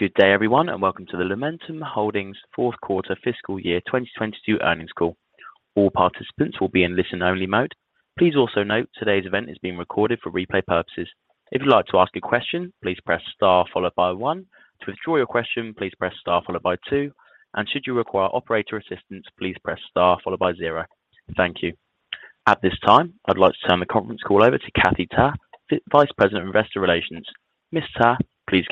Good day everyone, and welcome to the Lumentum Holdings Fourth Quarter Fiscal Year 2022 Earnings Call. All participants will be in listen only mode. Please also note today's event is being recorded for replay purposes. If you'd like to ask a question, please press star followed by 1. To withdraw your question, please press star followed by 2. Should you require operator assistance, please press star followed by 0. Thank you. At this time, I'd like to turn the conference call over to Kathy Ta, Vice President of Investor Relations. Ms. Ta, please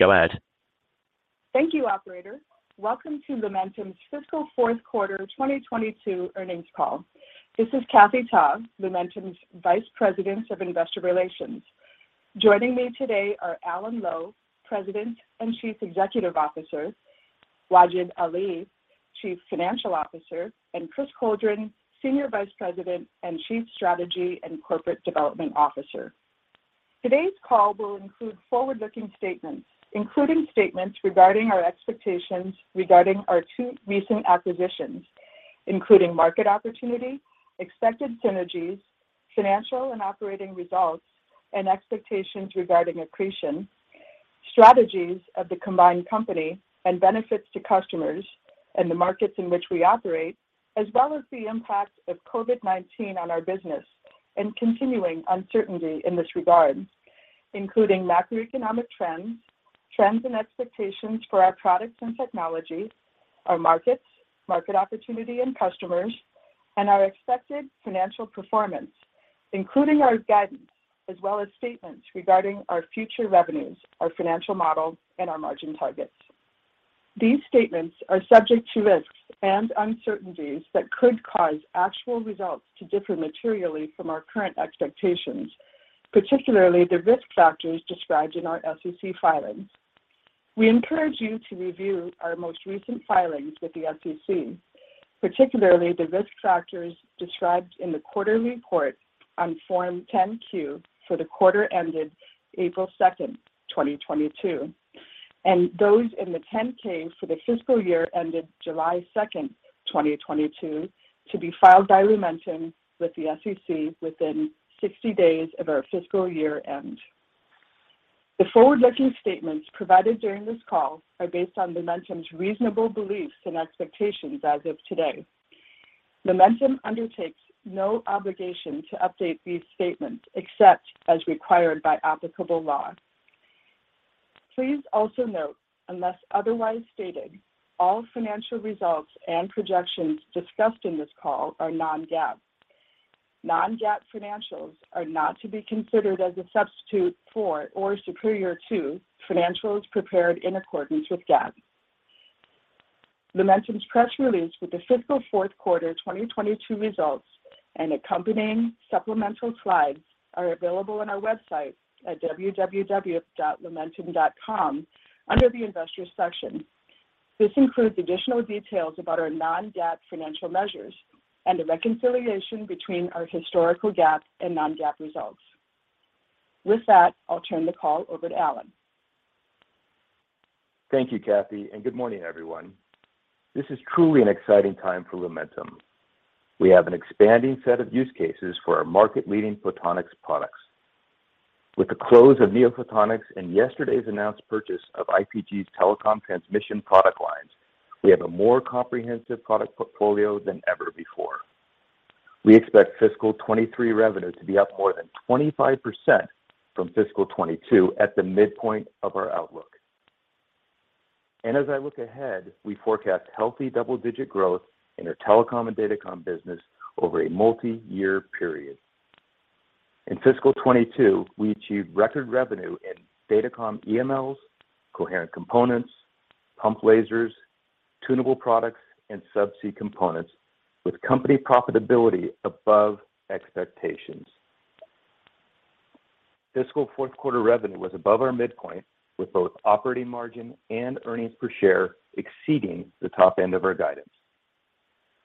go ahead. Thank you, operator. Welcome to Lumentum's Fiscal Fourth Quarter 2022 Earnings Call. This is Kathy Ta, Lumentum's Vice President of Investor Relations. Joining me today are Alan Lowe, President and Chief Executive Officer, Wajid Ali, Chief Financial Officer, and Chris Coldren, Senior Vice President and Chief Strategy and Corporate Development Officer. Today's call will include forward-looking statements, including statements regarding our expectations regarding our two recent acquisitions, including market opportunity, expected synergies, financial and operating results, and expectations regarding accretion, strategies of the combined company and benefits to customers and the markets in which we operate, as well as the impact of COVID-19 on our business and continuing uncertainty in this regard, including macroeconomic trends and expectations for our products and technology, our markets, market opportunity and customers, and our expected financial performance, including our guidance, as well as statements regarding our future revenues, our financial models, and our margin targets. These statements are subject to risks and uncertainties that could cause actual results to differ materially from our current expectations, particularly the risk factors described in our SEC filings. We encourage you to review our most recent filings with the SEC, particularly the risk factors described in the quarterly report on Form 10-Q for the quarter ended April 2, 2022, and those in the Form 10-K for the fiscal year ended July 2, 2022, to be filed by Lumentum with the SEC within 60 days of our fiscal year end. The forward-looking statements provided during this call are based on Lumentum's reasonable beliefs and expectations as of today. Lumentum undertakes no obligation to update these statements except as required by applicable law. Please also note, unless otherwise stated, all financial results and projections discussed in this call are non-GAAP. Non-GAAP financials are not to be considered as a substitute for or superior to financials prepared in accordance with GAAP. Lumentum's press release with the fiscal fourth quarter 2022 results and accompanying supplemental slides are available on our website at www.lumentum.com under the Investors section. This includes additional details about our non-GAAP financial measures and a reconciliation between our historical GAAP and non-GAAP results. With that, I'll turn the call over to Alan. Thank you, Kathy, and good morning, everyone. This is truly an exciting time for Lumentum. We have an expanding set of use cases for our market-leading photonics products. With the close of NeoPhotonics and yesterday's announced purchase of IPG Photonics' telecom transmission product lines, we have a more comprehensive product portfolio than ever before. We expect fiscal 2023 revenue to be up more than 25% from fiscal 2022 at the midpoint of our outlook. As I look ahead, we forecast healthy double-digit growth in our telecom and datacom business over a multi-year period. In fiscal 2022, we achieved record revenue in datacom EMLs, coherent components, pump lasers, tunable products, and subsea components with company profitability above expectations. Fiscal fourth quarter revenue was above our midpoint with both operating margin and earnings per share exceeding the top end of our guidance.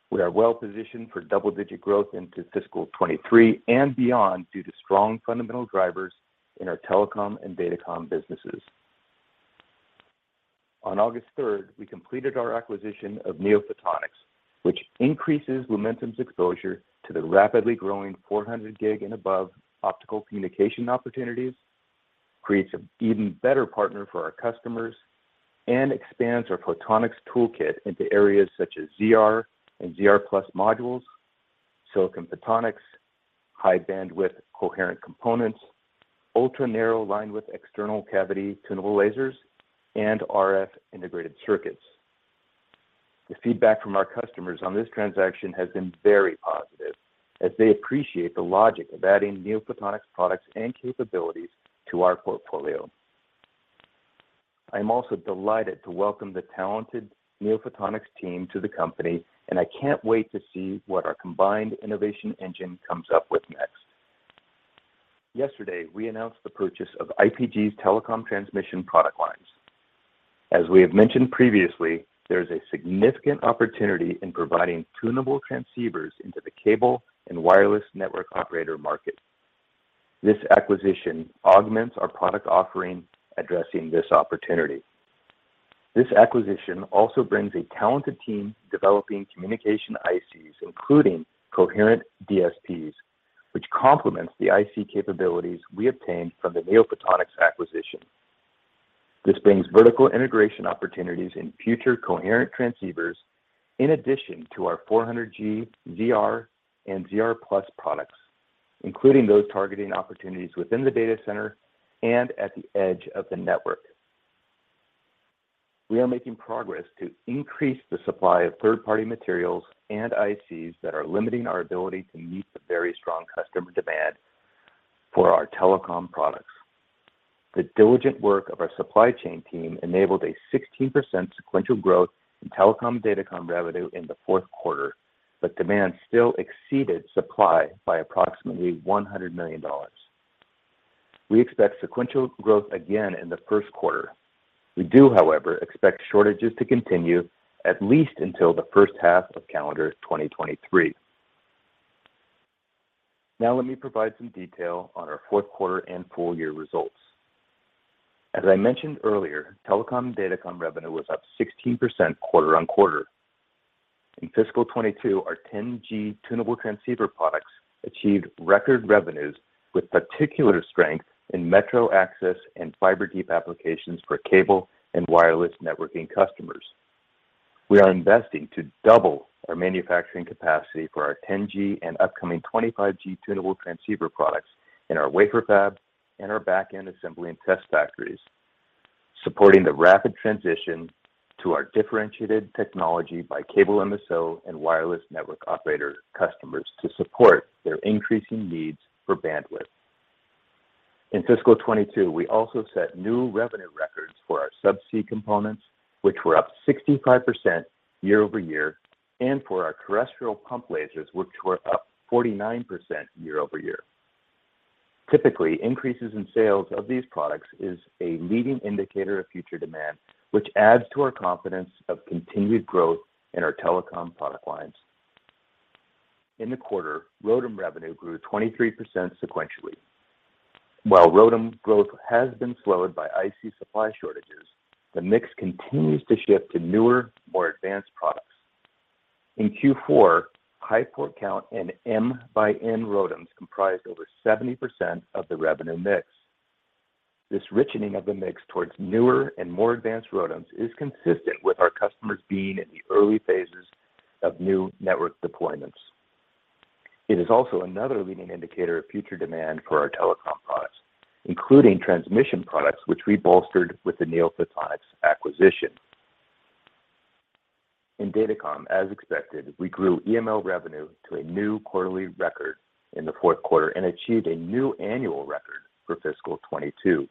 We are well positioned for double-digit growth into fiscal 2023 and beyond due to strong fundamental drivers in our telecom and datacom businesses. On August 3, we completed our acquisition of NeoPhotonics, which increases Lumentum's exposure to the rapidly growing 400 gig and above optical communication opportunities, creates an even better partner for our customers, and expands our photonics toolkit into areas such as ZR and ZR+ modules, silicon photonics, high bandwidth coherent components, ultra-narrow linewidth external cavity tunable lasers, and RF integrated circuits. The feedback from our customers on this transaction has been very positive as they appreciate the logic of adding NeoPhotonics products and capabilities to our portfolio. I'm also delighted to welcome the talented NeoPhotonics team to the company, and I can't wait to see what our combined innovation engine comes up with next. Yesterday, we announced the purchase of IPG Photonics' telecom transmission product lines. As we have mentioned previously, there is a significant opportunity in providing tunable transceivers into the cable and wireless network operator market. This acquisition augments our product offering addressing this opportunity. This acquisition also brings a talented team developing communication ICs, including coherent DSPs, which complements the IC capabilities we obtained from the NeoPhotonics acquisition. This brings vertical integration opportunities in future coherent transceivers in addition to our 400G ZR and ZR+ products, including those targeting opportunities within the data center and at the edge of the network. We are making progress to increase the supply of third-party materials and ICs that are limiting our ability to meet the very strong customer demand for our telecom products. The diligent work of our supply chain team enabled a 16% sequential growth in telecom/datacom revenue in the fourth quarter, but demand still exceeded supply by approximately $100 million. We expect sequential growth again in the first quarter. We do, however, expect shortages to continue at least until the first half of calendar 2023. Now let me provide some detail on our fourth quarter and full year results. As I mentioned earlier, telecom/datacom revenue was up 16% quarter-over-quarter. In fiscal 2022, our 10G tunable transceiver products achieved record revenues with particular strength in metro access and fiber deep applications for cable and wireless networking customers. We are investing to double our manufacturing capacity for our 10G and upcoming 25G tunable transceiver products in our wafer fab and our back-end assembly and test factories, supporting the rapid transition to our differentiated technology by cable MSO and wireless network operator customers to support their increasing needs for bandwidth. In fiscal 2022, we also set new revenue records for our subsea components, which were up 65% year-over-year, and for our terrestrial pump lasers, which were up 49% year-over-year. Typically, increases in sales of these products is a leading indicator of future demand, which adds to our confidence of continued growth in our telecom product lines. In the quarter, ROADM revenue grew 23% sequentially. While ROADM growth has been slowed by IC supply shortages, the mix continues to shift to newer, more advanced products. In Q4, high port count and M-by-N ROADMs comprised over 70% of the revenue mix. This richening of the mix towards newer and more advanced ROADMs is consistent with our customers being in the early phases of new network deployments. It is also another leading indicator of future demand for our telecom products, including transmission products, which we bolstered with the NeoPhotonics acquisition. In datacom, as expected, we grew EML revenue to a new quarterly record in the fourth quarter and achieved a new annual record for fiscal 2022.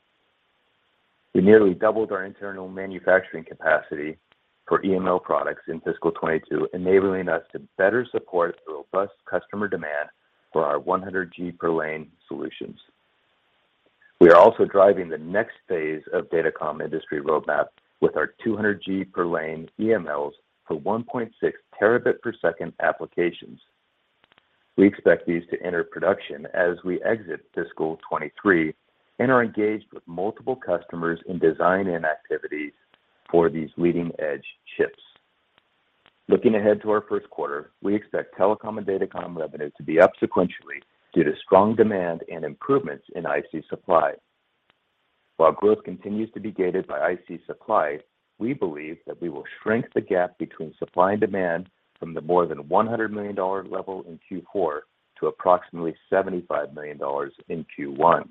We nearly doubled our internal manufacturing capacity for EML products in fiscal 2022, enabling us to better support the robust customer demand for our 100 G per lane solutions. We are also driving the next phase of datacom industry roadmap with our 200 G per lane EMLs for 1.6 terabit per second applications. We expect these to enter production as we exit fiscal 2023 and are engaged with multiple customers in design and activities for these leading-edge chips. Looking ahead to our first quarter, we expect telecom and datacom revenue to be up sequentially due to strong demand and improvements in IC supply. While growth continues to be gated by IC supply, we believe that we will shrink the gap between supply and demand from the more than $100 million level in Q4 to approximately $75 million in Q1.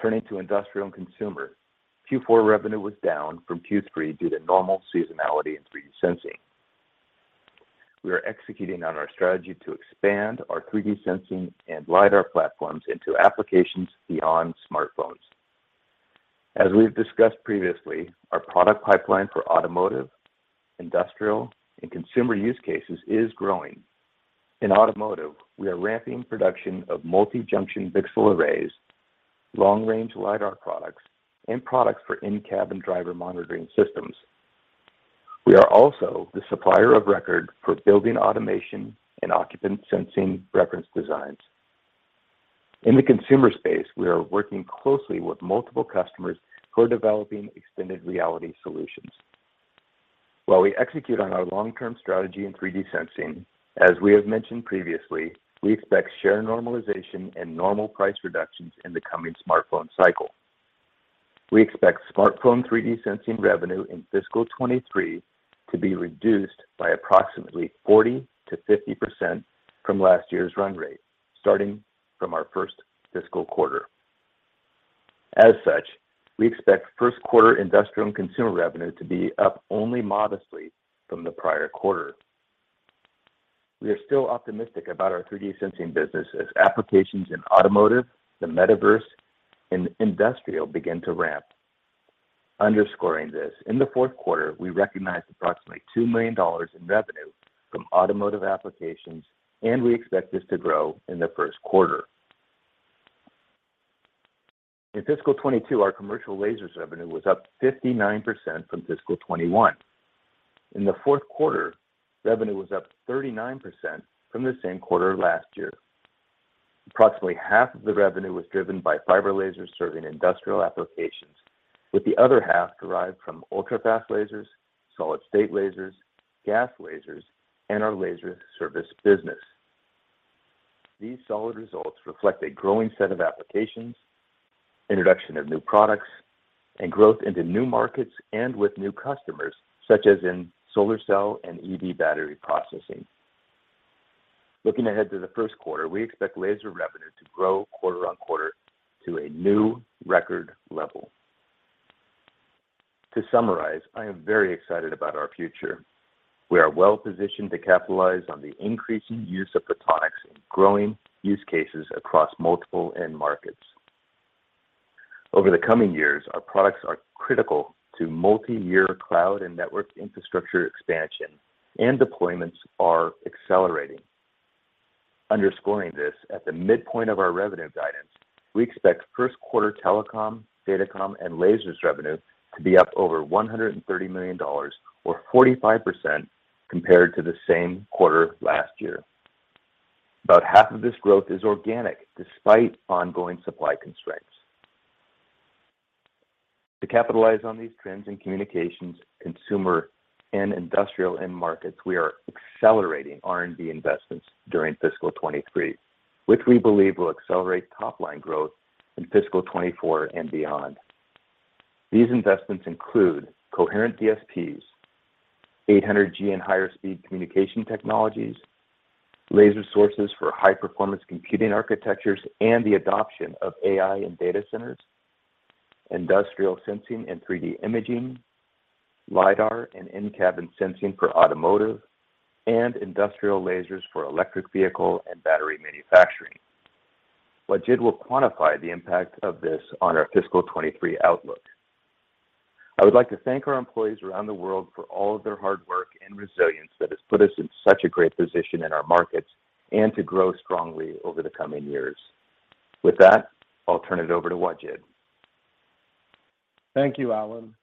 Turning to industrial and consumer, Q4 revenue was down from Q3 due to normal seasonality in 3D sensing. We are executing on our strategy to expand our 3D sensing and LiDAR platforms into applications beyond smartphones. As we've discussed previously, our product pipeline for automotive, industrial, and consumer use cases is growing. In automotive, we are ramping production of multi-junction VCSEL arrays, long-range LiDAR products, and products for in-cabin driver monitoring systems. We are also the supplier of record for building automation and occupant sensing reference designs. In the consumer space, we are working closely with multiple customers who are developing extended reality solutions. While we execute on our long-term strategy in 3D sensing, as we have mentioned previously, we expect share normalization and normal price reductions in the coming smartphone cycle. We expect smartphone 3D sensing revenue in fiscal 2023 to be reduced by approximately 40%-50% from last year's run rate, starting from our first fiscal quarter. As such, we expect first quarter industrial and consumer revenue to be up only modestly from the prior quarter. We are still optimistic about our 3D sensing business as applications in automotive, the metaverse, and industrial begin to ramp. Underscoring this, in the fourth quarter, we recognized approximately $2 million in revenue from automotive applications, and we expect this to grow in the first quarter. In fiscal 2022, our commercial lasers revenue was up 59% from fiscal 2021. In the fourth quarter, revenue was up 39% from the same quarter last year. Approximately half of the revenue was driven by fiber lasers serving industrial applications, with the other half derived from ultrafast lasers, solid-state lasers, gas lasers, and our laser service business. These solid results reflect a growing set of applications, introduction of new products, and growth into new markets and with new customers, such as in solar cell and EV battery processing. Looking ahead to the first quarter, we expect laser revenue to grow quarter-over-quarter to a new record level. To summarize, I am very excited about our future. We are well-positioned to capitalize on the increasing use of photonics in growing use cases across multiple end markets. Over the coming years, our products are critical to multi-year cloud and network infrastructure expansion, and deployments are accelerating. Underscoring this, at the midpoint of our revenue guidance, we expect first quarter telecom, datacom, and lasers revenue to be up over $130 million or 45% compared to the same quarter last year. About half of this growth is organic despite ongoing supply constraints. To capitalize on these trends in communications, consumer, and industrial end markets, we are accelerating R&D investments during fiscal 2023, which we believe will accelerate top line growth in fiscal 2024 and beyond. These investments include coherent DSPs, 800G and higher speed communication technologies, laser sources for high-performance computing architectures, and the adoption of AI in data centers, industrial sensing and 3D imaging, LiDAR and in-cabin sensing for automotive, and industrial lasers for electric vehicle and battery manufacturing. Wajid will quantify the impact of this on our fiscal 2023 outlook. I would like to thank our employees around the world for all of their hard work and resilience that has put us in such a great position in our markets and to grow strongly over the coming years. With that, I'll turn it over to Wajid. Thank you, Alan.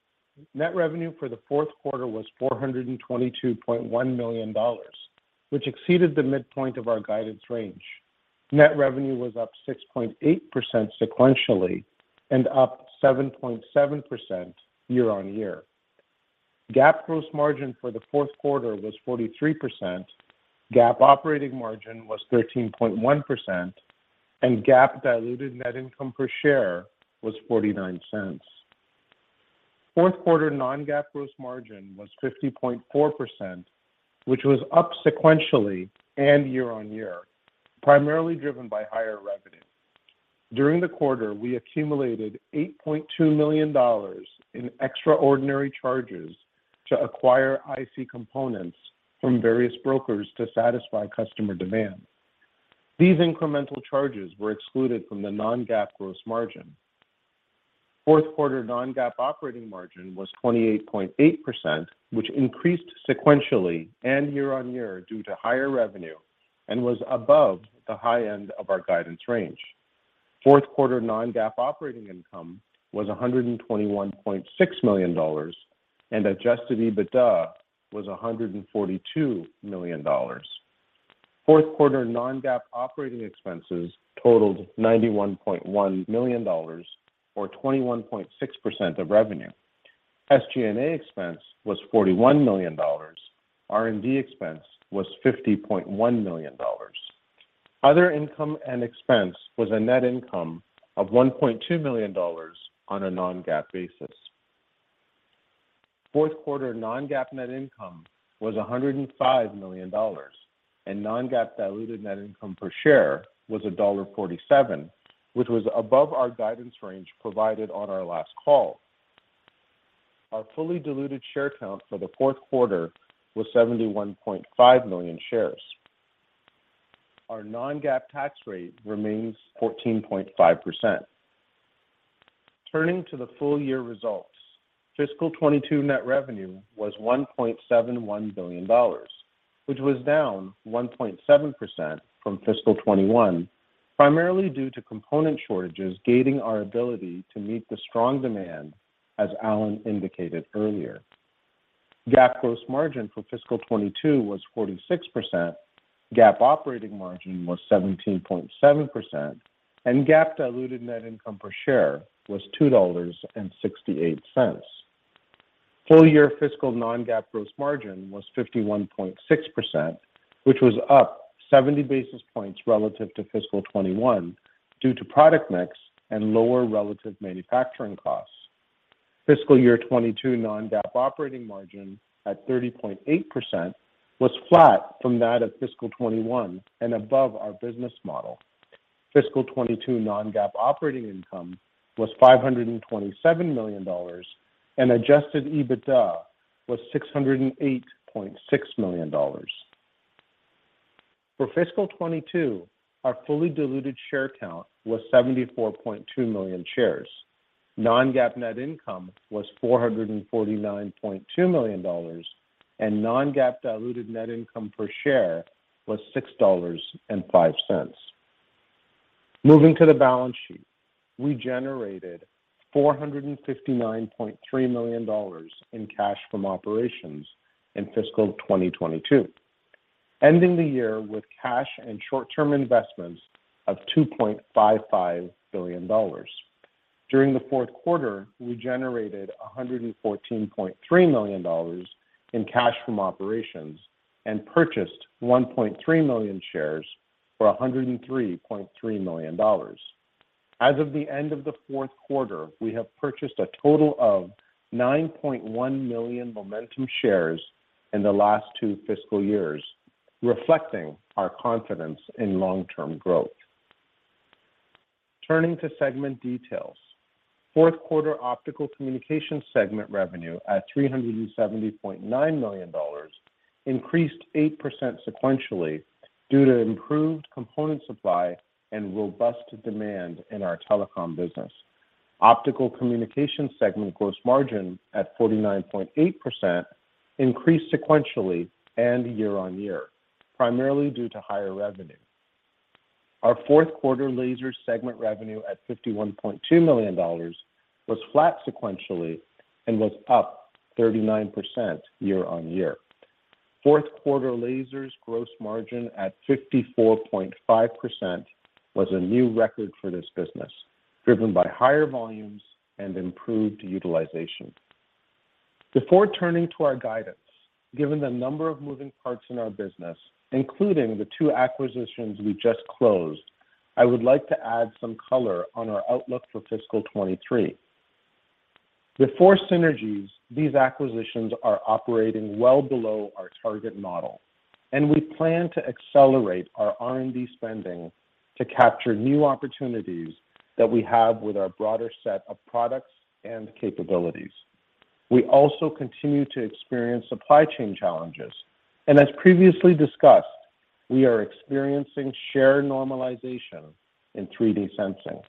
Net revenue for the fourth quarter was $422.1 million, which exceeded the midpoint of our guidance range. Net revenue was up 6.8% sequentially and up 7.7% year-on-year. GAAP gross margin for the fourth quarter was 43%, GAAP operating margin was 13.1%, and GAAP diluted net income per share was $0.49. Fourth quarter non-GAAP gross margin was 50.4%, which was up sequentially and year-on-year, primarily driven by higher revenue. During the quarter, we accumulated $8.2 million in extraordinary charges to acquire IC components from various brokers to satisfy customer demand. These incremental charges were excluded from the non-GAAP gross margin. Fourth quarter non-GAAP operating margin was 28.8%, which increased sequentially and year on year due to higher revenue and was above the high end of our guidance range. Fourth quarter non-GAAP operating income was $121.6 million, and Adjusted EBITDA was $142 million. Fourth quarter non-GAAP operating expenses totaled $91.1 million or 21.6% of revenue. SG&A expense was $41 million. R&D expense was $50.1 million. Other income and expense was a net income of $1.2 million on a non-GAAP basis. Fourth quarter non-GAAP net income was $105 million, and non-GAAP diluted net income per share was $1.47, which was above our guidance range provided on our last call. Our fully diluted share count for the fourth quarter was 71.5 million shares. Our non-GAAP tax rate remains 14.5%. Turning to the full-year results, fiscal 2022 net revenue was $1.71 billion, which was down 1.7% from fiscal 2021, primarily due to component shortages gating our ability to meet the strong demand, as Alan indicated earlier. GAAP gross margin for fiscal 2022 was 46%, GAAP operating margin was 17.7%, and GAAP diluted net income per share was $2.68. Full-year fiscal non-GAAP gross margin was 51.6%, which was up 70 basis points relative to fiscal 2021 due to product mix and lower relative manufacturing costs. Fiscal year 2022 non-GAAP operating margin at 30.8% was flat from that of fiscal 2021 and above our business model. Fiscal 2022 non-GAAP operating income was $527 million, and Adjusted EBITDA was $608.6 million. For Fiscal 2022, our fully diluted share count was 74.2 million shares. Non-GAAP net income was $449.2 million, and non-GAAP diluted net income per share was $6.05. Moving to the balance sheet. We generated $459.3 million in cash from operations in Fiscal 2022, ending the year with cash and short-term investments of $2.55 billion. During the fourth quarter, we generated $114.3 million in cash from operations and purchased 1.3 million shares for $103.3 million. As of the end of the fourth quarter, we have purchased a total of 9.1 million Lumentum shares in the last two fiscal years, reflecting our confidence in long-term growth. Turning to segment details. Fourth quarter optical communications segment revenue at $370.9 million increased 8% sequentially due to improved component supply and robust demand in our telecom business. Optical Communication segment gross margin at 49.8% increased sequentially and year-on-year, primarily due to higher revenue. Our fourth quarter Laser segment revenue at $51.2 million was flat sequentially and was up 39% year-on-year. Fourth quarter lasers gross margin at 54.5% was a new record for this business, driven by higher volumes and improved utilization. Before turning to our guidance, given the number of moving parts in our business, including the two acquisitions we just closed, I would like to add some color on our outlook for fiscal 2023. Before synergies, these acquisitions are operating well below our target model, and we plan to accelerate our R&D spending to capture new opportunities that we have with our broader set of products and capabilities. We also continue to experience supply chain challenges, and as previously discussed, we are experiencing share normalization in 3D sensing.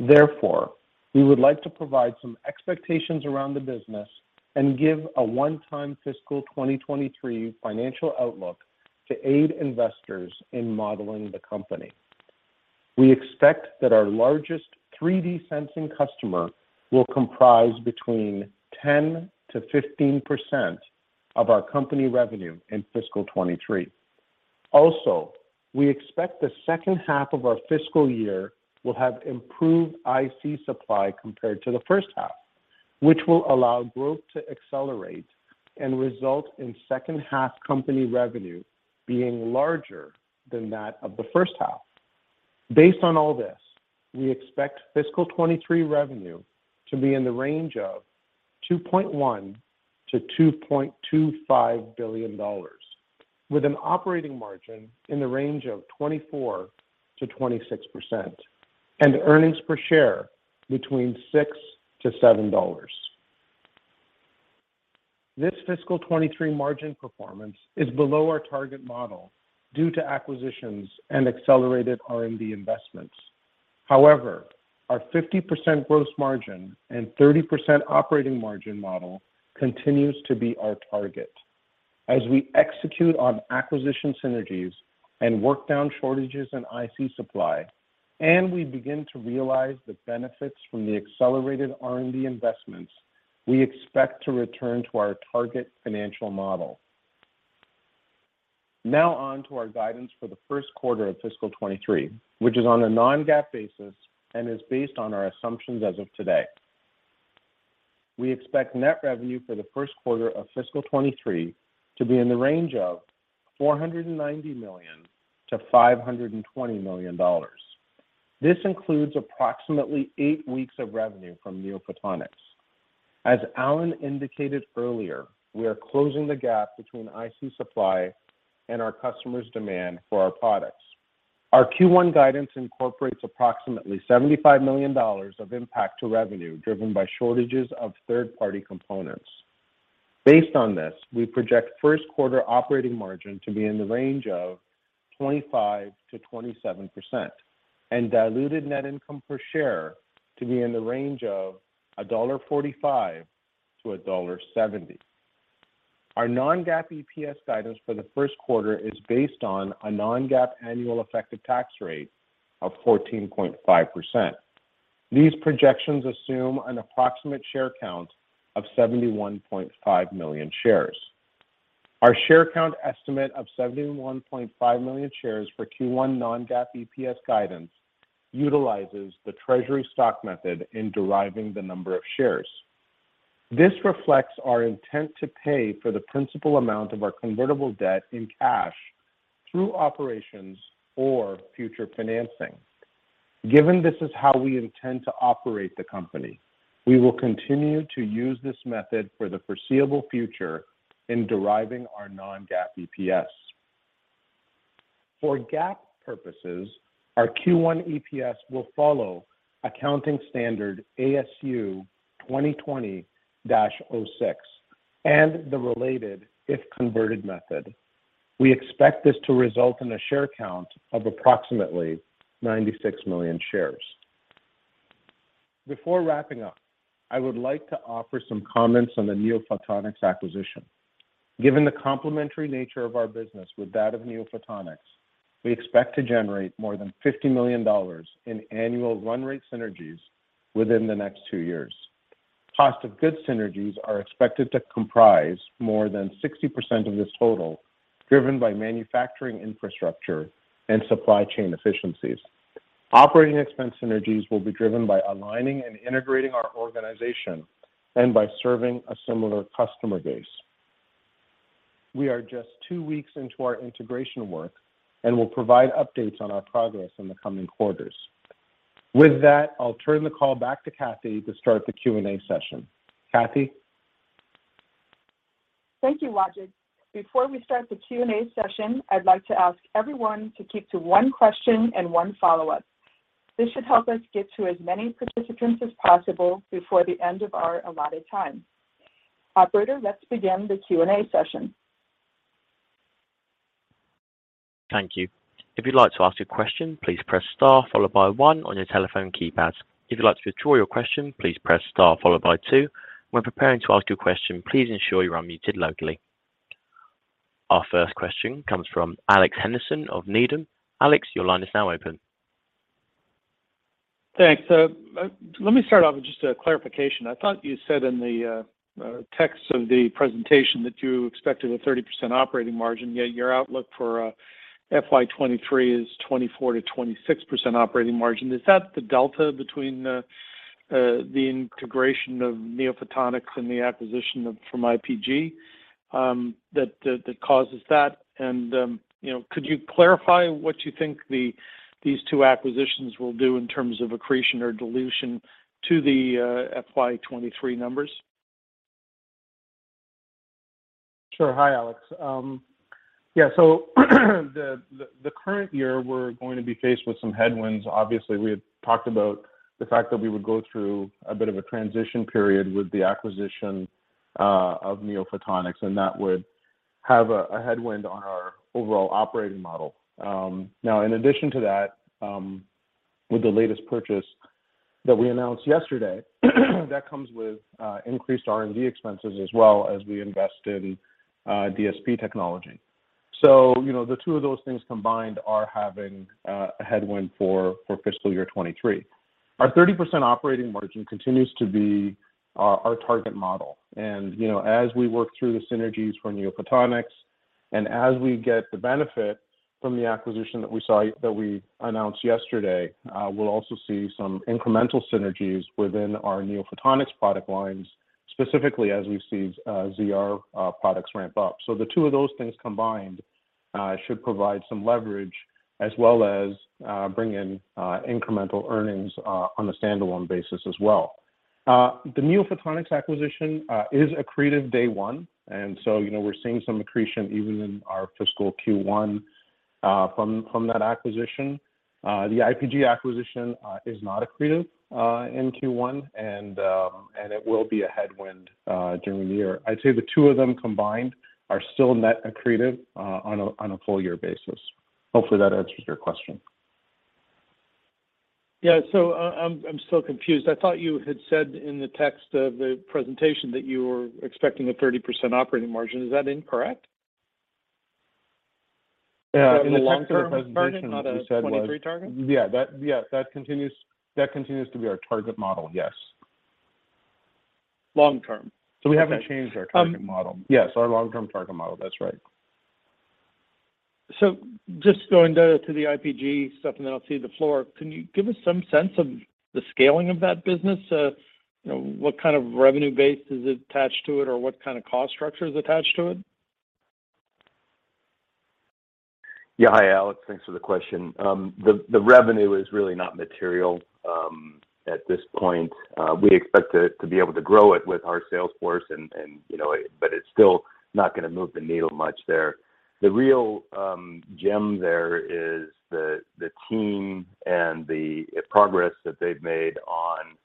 Therefore, we would like to provide some expectations around the business and give a one-time fiscal 2023 financial outlook to aid investors in modeling the company. We expect that our largest 3D sensing customer will comprise between 10%-15% of our company revenue in fiscal 2023. Also, we expect the second half of our fiscal year will have improved IC supply compared to the first half, which will allow growth to accelerate and result in second half company revenue being larger than that of the first half. Based on all this, we expect fiscal 2023 revenue to be in the range of $2.1 billion-$2.25 billion with an operating margin in the range of 24%-26% and earnings per share between $6-$7. This fiscal 2023 margin performance is below our target model due to acquisitions and accelerated R&D investments. However, our 50% gross margin and 30% operating margin model continues to be our target. As we execute on acquisition synergies and work down shortages in IC supply, and we begin to realize the benefits from the accelerated R&D investments, we expect to return to our target financial model. Now on to our guidance for the first quarter of fiscal 2023, which is on a non-GAAP basis and is based on our assumptions as of today. We expect net revenue for the first quarter of fiscal 2023 to be in the range of $490 million-$520 million. This includes approximately eight weeks of revenue from NeoPhotonics. As Alan indicated earlier, we are closing the gap between IC supply and our customers' demand for our products. Our Q1 guidance incorporates approximately $75 million of impact to revenue driven by shortages of third-party components. Based on this, we project first quarter operating margin to be in the range of 25%-27% and diluted net income per share to be in the range of $1.45-$1.70. Our non-GAAP EPS guidance for the first quarter is based on a non-GAAP annual effective tax rate of 14.5%. These projections assume an approximate share count of 71.5 million shares. Our share count estimate of 71.5 million shares for Q1 non-GAAP EPS guidance utilizes the treasury stock method in deriving the number of shares. This reflects our intent to pay for the principal amount of our convertible debt in cash through operations or future financing. Given this is how we intend to operate the company, we will continue to use this method for the foreseeable future in deriving our non-GAAP EPS. For GAAP purposes, our Q1 EPS will follow accounting standard ASU 2020-06 and the related if converted method. We expect this to result in a share count of approximately 96 million shares. Before wrapping up, I would like to offer some comments on the NeoPhotonics acquisition. Given the complementary nature of our business with that of NeoPhotonics, we expect to generate more than $50 million in annual run rate synergies within the next two years. Cost of goods synergies are expected to comprise more than 60% of this total, driven by manufacturing infrastructure and supply chain efficiencies. Operating expense synergies will be driven by aligning and integrating our organization and by serving a similar customer base. We are just two weeks into our integration work, and we'll provide updates on our progress in the coming quarters. With that, I'll turn the call back to Kathy to start the Q&A session. Kathy? Thank you, Wajid. Before we start the Q&A session, I'd like to ask everyone to keep to one question and one follow-up. This should help us get to as many participants as possible before the end of our allotted time. Operator, let's begin the Q&A session. Thank you. If you'd like to ask a question, please press star followed by 1 on your telephone keypad. If you'd like to withdraw your question, please press star followed by 2. When preparing to ask your question, please ensure you're unmuted locally. Our first question comes from Alex Henderson of Needham. Alex, your line is now open. Thanks. Let me start off with just a clarification. I thought you said in the text of the presentation that you expected a 30% operating margin, yet your outlook for FY 2023 is 24%-26% operating margin. Is that the delta between the integration of NeoPhotonics and the acquisition from IPG that causes that? You know, could you clarify what you think these two acquisitions will do in terms of accretion or dilution to the FY 2023 numbers? Sure. Hi, Alex. The current year, we're going to be faced with some headwinds. Obviously, we had talked about the fact that we would go through a bit of a transition period with the acquisition of NeoPhotonics, and that would have a headwind on our overall operating model. Now in addition to that, with the latest purchase that we announced yesterday, that comes with increased R&D expenses as well as we invest in DSP technology. You know, the two of those things combined are having a headwind for fiscal year 2023. Our 30% operating margin continues to be our target model. You know, as we work through the synergies for NeoPhotonics and as we get the benefit from the acquisition that we announced yesterday, we'll also see some incremental synergies within our NeoPhotonics product lines, specifically as we see ZR products ramp up. The two of those things combined should provide some leverage as well as bring in incremental earnings on a standalone basis as well. The NeoPhotonics acquisition is accretive day one, and so, you know, we're seeing some accretion even in our fiscal Q1 from that acquisition. The IPG acquisition is not accretive in Q1, and it will be a headwind during the year. I'd say the two of them combined are still net accretive on a full year basis. Hopefully that answers your question. Yeah. I'm still confused. I thought you had said in the text of the presentation that you were expecting a 30% operating margin. Is that incorrect? Yeah. In the text of the presentation, we said. Is that a long-term target, not a 2023 target? Yeah. That continues to be our target model, yes. Long term. Okay. We haven't changed our target model. Um. Yes, our long-term target model. That's right. Just going to the IPG stuff, and then I'll cede the floor. Can you give us some sense of the scaling of that business? You know, what kind of revenue base is attached to it, or what kind of cost structure is attached to it? Yeah. Hi, Alex. Thanks for the question. The revenue is really not material at this point. We expect to be able to grow it with our sales force and, you know. It's still not gonna move the needle much there. The real gem there is the team and the progress that they've made on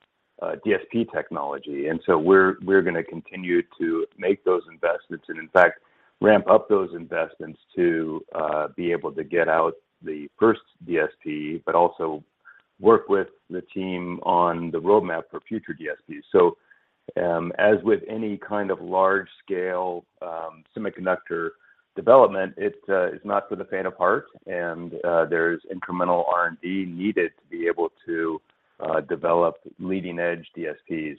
DSP technology. We're gonna continue to make those investments and, in fact, ramp up those investments to be able to get out the first DSP, but also work with the team on the roadmap for future DSPs. As with any kind of large scale semiconductor development, it is not for the faint of heart and there's incremental R&D needed to be able to develop leading edge DSPs.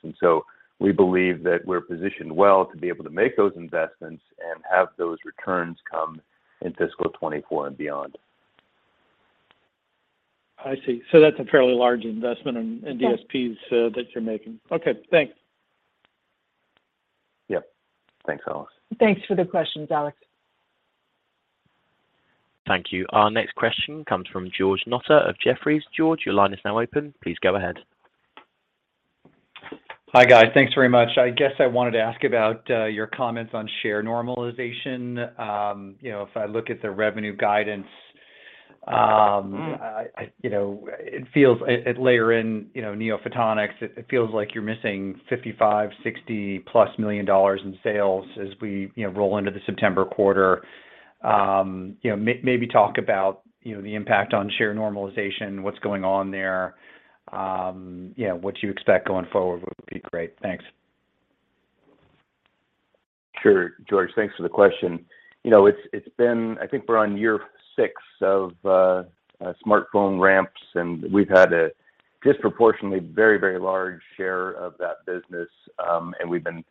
We believe that we're positioned well to be able to make those investments and have those returns come in fiscal 2024 and beyond. I see. That's a fairly large investment in DSPs that you're making. Okay. Thanks. Yep. Thanks, Alex. Thanks for the questions, Alex. Thank you. Our next question comes from George Notter of Jefferies. George, your line is now open. Please go ahead. Hi, guys. Thanks very much. I guess I wanted to ask about your comments on share normalization. You know, if I look at the revenue guidance, you know, it feels like you're missing $55-$60+ million in sales as we, you know, roll into the September quarter layering in NeoPhotonics. You know, maybe talk about the impact on share normalization, what's going on there, you know, what you expect going forward would be great. Thanks. Sure, George. Thanks for the question. You know, it's been. I think we're on year 6 of smartphone ramps, and we've had a disproportionately very large share of that business. And we've been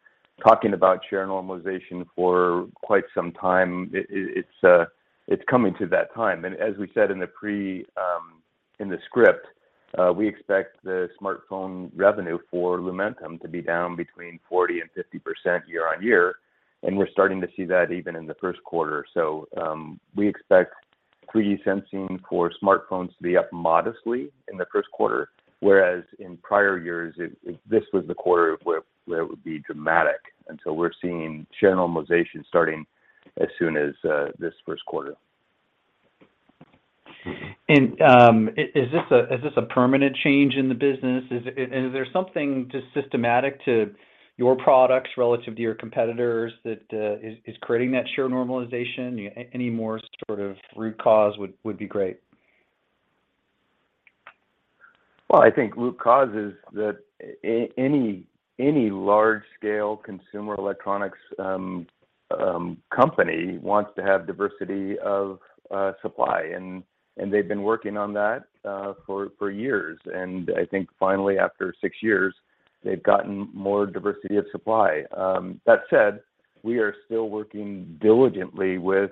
talking about share normalization for quite some time. It's coming to that time. And as we said in the preannounce, in the script, we expect the smartphone revenue for Lumentum to be down between 40% and 50% year-over-year, and we're starting to see that even in the first quarter. So, we expect 3D sensing for smartphones to be up modestly in the first quarter, whereas in prior years this was the quarter where it would be dramatic. We're seeing share normalization starting as soon as this first quarter. Is this a permanent change in the business? Is there something just systematic to your products relative to your competitors that is creating that share normalization? Any more sort of root cause would be great. Well, I think root cause is that any large scale consumer electronics company wants to have diversity of supply, and they've been working on that for years. I think finally after six years they've gotten more diversity of supply. That said, we are still working diligently with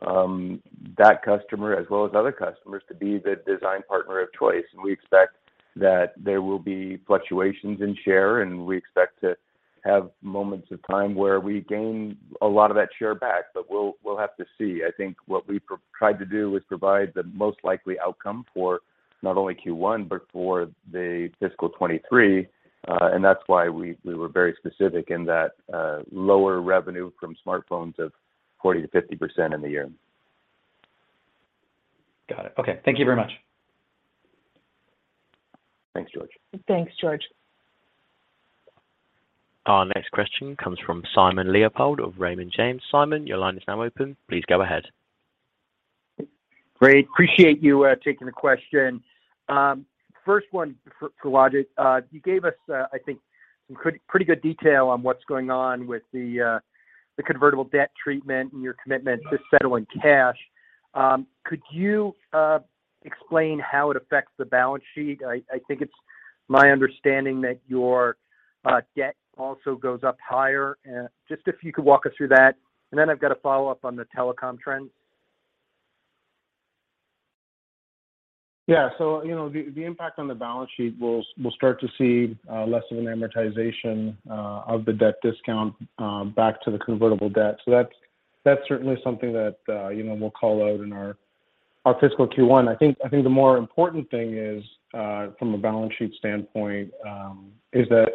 that customer as well as other customers to be the design partner of choice. We expect that there will be fluctuations in share, and we expect to have moments of time where we gain a lot of that share back. We'll have to see. I think what we tried to do was provide the most likely outcome for not only Q1, but for the fiscal 2023. That's why we were very specific in that lower revenue from smartphones of 40%-50% in the year. Got it. Okay. Thank you very much. Thanks, George. Thanks, George. Our next question comes from Simon Leopold of Raymond James. Simon, your line is now open. Please go ahead. Great. Appreciate you taking the question. First one for Wajid. You gave us I think some pretty good detail on what's going on with the convertible debt treatment and your commitment to settle in cash. Could you explain how it affects the balance sheet? I think it's my understanding that your debt also goes up higher. Just if you could walk us through that, and then I've got a follow-up on the telecom trends. Yeah. You know, the impact on the balance sheet, we'll start to see less of an amortization of the debt discount back to the convertible debt. That's certainly something that you know, we'll call out in our fiscal Q1. I think the more important thing is from a balance sheet standpoint is that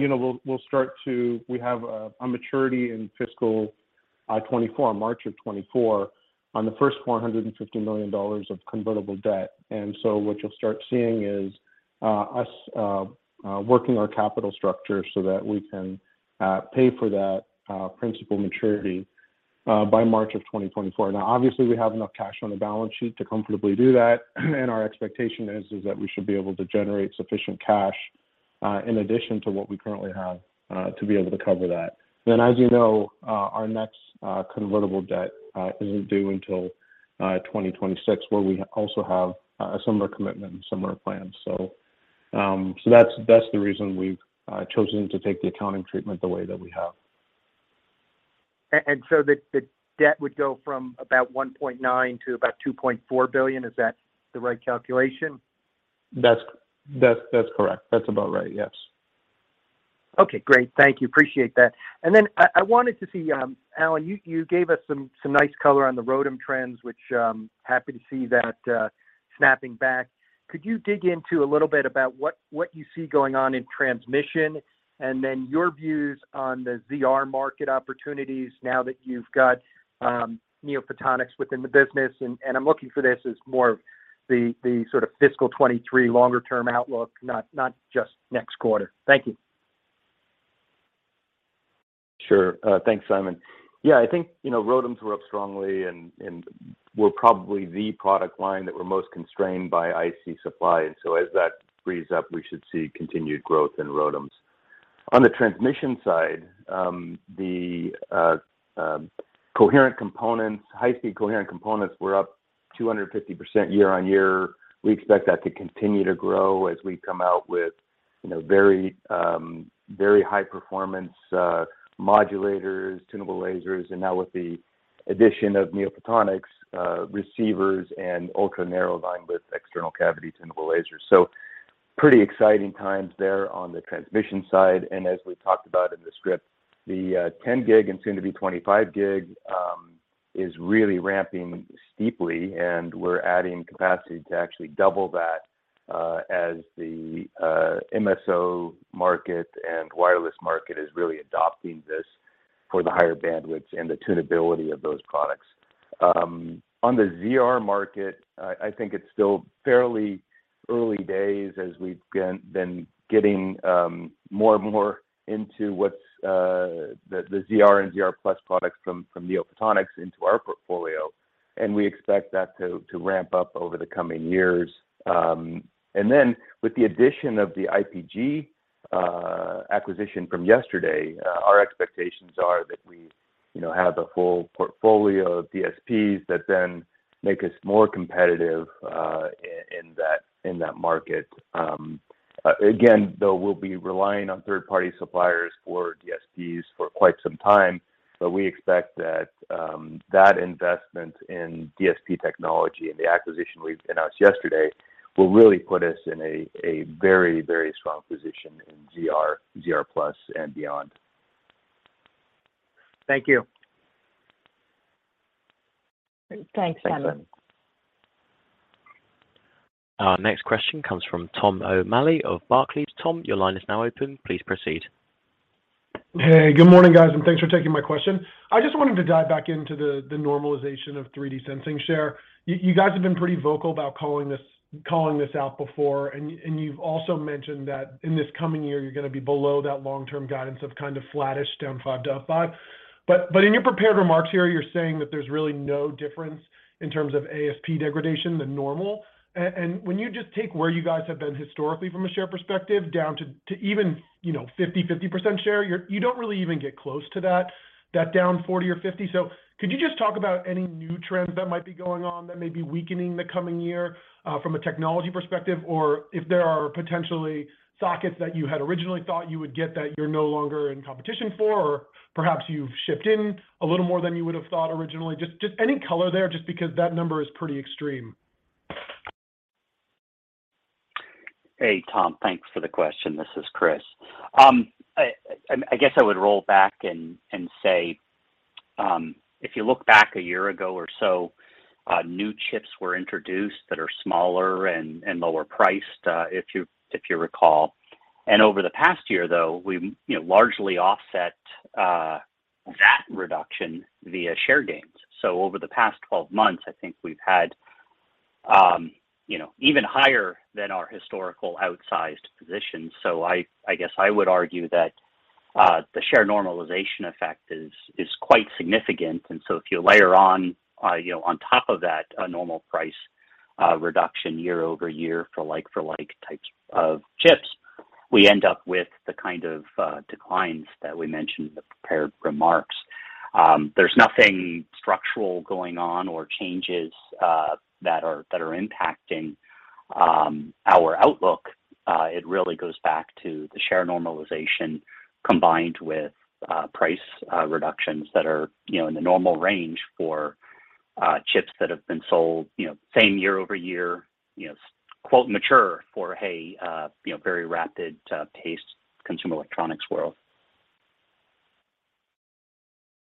you know, we'll start to. We have a maturity in fiscal 2024, March 2024, on the first $450 million of convertible debt. What you'll start seeing is us working our capital structure so that we can pay for that principal maturity by March 2024. Now obviously we have enough cash on the balance sheet to comfortably do that, and our expectation is that we should be able to generate sufficient cash in addition to what we currently have to be able to cover that. As you know, our next convertible debt isn't due until 2026, where we also have similar commitment and similar plans. That's the reason we've chosen to take the accounting treatment the way that we have. The debt would go from about $1.9 billion to about $2.4 billion. Is that the right calculation? That's correct. That's about right, yes. Okay, great. Thank you. Appreciate that. I wanted to see, Alan, you gave us some nice color on the ROADM trends, which I'm happy to see that snapping back. Could you dig into a little bit about what you see going on in transmission and then your views on the ZR market opportunities now that you've got NeoPhotonics within the business? I'm looking for this as more of the sort of fiscal 2023 longer term outlook, not just next quarter. Thank you. Sure. Thanks, Simon. Yeah, I think, you know, ROADMs were up strongly and were probably the product line that were most constrained by IC supply. As that frees up, we should see continued growth in ROADMs. On the transmission side, the coherent components, high speed coherent components were up 250% year-over-year. We expect that to continue to grow as we come out with, you know, very high performance modulators, tunable lasers. Now with the addition of NeoPhotonics, receivers and ultra-narrow linewidth external cavity tunable lasers. Pretty exciting times there on the transmission side. As we talked about in the script, the 10 gig and soon to be 25 gig is really ramping steeply, and we're adding capacity to actually double that, as the MSO market and wireless market is really adopting this for the higher bandwidth and the tunability of those products. On the ZR market, I think it's still fairly early days as we've been getting more and more into what's the ZR and ZR+ products from NeoPhotonics into our portfolio. We expect that to ramp up over the coming years. With the addition of the IPG acquisition from yesterday, our expectations are that we, you know, have a full portfolio of DSPs that then make us more competitive in that market. Again, though, we'll be relying on third-party suppliers for DSPs for quite some time, but we expect that that investment in DSP technology and the acquisition we've announced yesterday will really put us in a very strong position in ZR+, and beyond. Thank you. Great. Thanks, Simon. Thanks, Simon. Our next question comes from Tom O'Malley of Barclays. Tom, your line is now open. Please proceed. Hey, good morning, guys, and thanks for taking my question. I just wanted to dive back into the normalization of 3D sensing share. You guys have been pretty vocal about calling this out before, and you've also mentioned that in this coming year, you're gonna be below that long-term guidance of kind of flattish down 5%. In your prepared remarks here, you're saying that there's really no difference in terms of ASP degradation than normal. When you just take where you guys have been historically from a share perspective down to even, you know, 50% share, you don't really even get close to that down 40% or 50%. Could you just talk about any new trends that might be going on that may be weakening the coming year, from a technology perspective, or if there are potentially sockets that you had originally thought you would get that you're no longer in competition for, or perhaps you've shipped in a little more than you would have thought originally? Just any color there, just because that number is pretty extreme. Hey, Tom. Thanks for the question. This is Chris. I guess I would roll back and say, if you look back a year ago or so, new chips were introduced that are smaller and lower priced, if you recall. Over the past year, though, we, you know, largely offset, that reduction via share gains. Over the past 12 months, I think we've had, you know, even higher than our historical outsized positions. I guess I would argue that, the share normalization effect is quite significant. If you layer on, you know, on top of that a normal price, reduction year over year for like-for-like types of chips, we end up with the kind of, declines that we mentioned in the prepared remarks. There's nothing structural going on or changes that are impacting our outlook. It really goes back to the share normalization combined with price reductions that are, you know, in the normal range for chips that have been sold, you know, same year over year, you know, quote, "mature" for a, you know, very rapid paced consumer electronics world.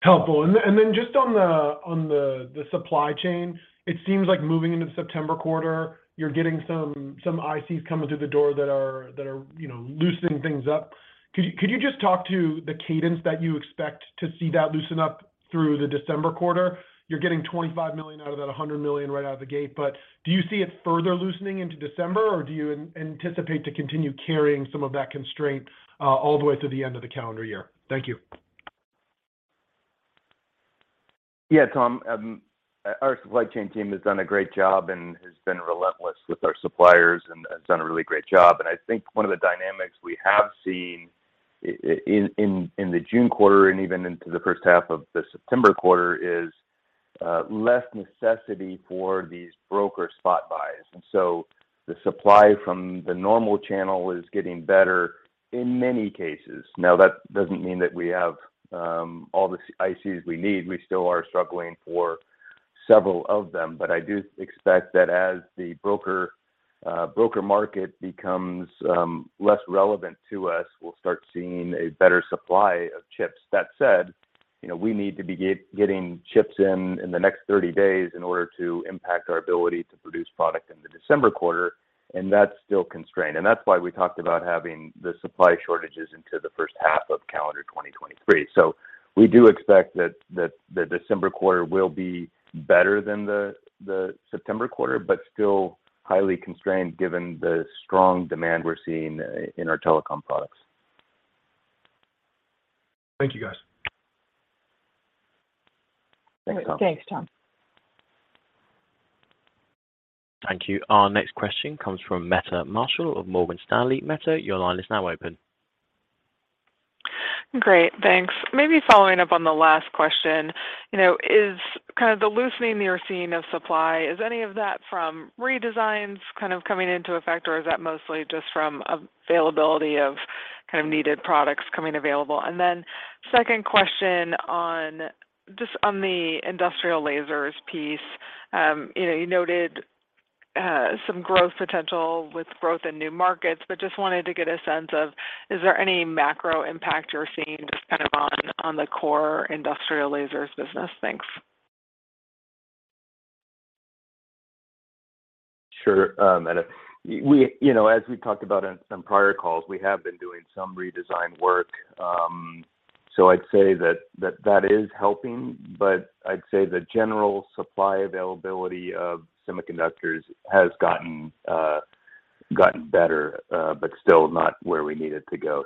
Helpful. Just on the supply chain, it seems like moving into the September quarter, you're getting some ICs coming through the door that are, you know, loosening things up. Could you just talk to the cadence that you expect to see that loosen up through the December quarter? You're getting $25 million out of that $100 million right out of the gate, but do you see it further loosening into December, or do you anticipate to continue carrying some of that constraint all the way through the end of the calendar year? Thank you. Yeah, Tom. Our supply chain team has done a great job and has been relentless with our suppliers and done a really great job. I think one of the dynamics we have seen in the June quarter and even into the first half of the September quarter is less necessity for these broker spot buys. The supply from the normal channel is getting better in many cases. Now, that doesn't mean that we have all the ICs we need. We still are struggling for several of them. I do expect that as the broker market becomes less relevant to us, we'll start seeing a better supply of chips. That said, you know, we need to be getting chips in the next 30 days in order to impact our ability to produce product in the December quarter, and that's still constrained. That's why we talked about having the supply shortages into the first half of calendar 2023. We do expect that the December quarter will be better than the September quarter, but still highly constrained given the strong demand we're seeing in our telecom products. Thank you, guys. Thanks, Tom. Thanks, Tom. Thank you. Our next question comes from Meta Marshall of Morgan Stanley. Meta, your line is now open. Great. Thanks. Maybe following up on the last question, you know, is kind of the loosening you're seeing of supply, is any of that from redesigns kind of coming into effect, or is that mostly just from availability of kind of needed products coming available? Then second question on just on the industrial lasers piece, you know, you noted some growth potential with growth in new markets, but just wanted to get a sense of is there any macro impact you're seeing just kind of on the core industrial lasers business? Thanks. Sure, Meta. You know, as we talked about on some prior calls, we have been doing some redesign work. I'd say that is helping, but I'd say the general supply availability of semiconductors has gotten, gotten better, but still not where we need it to go.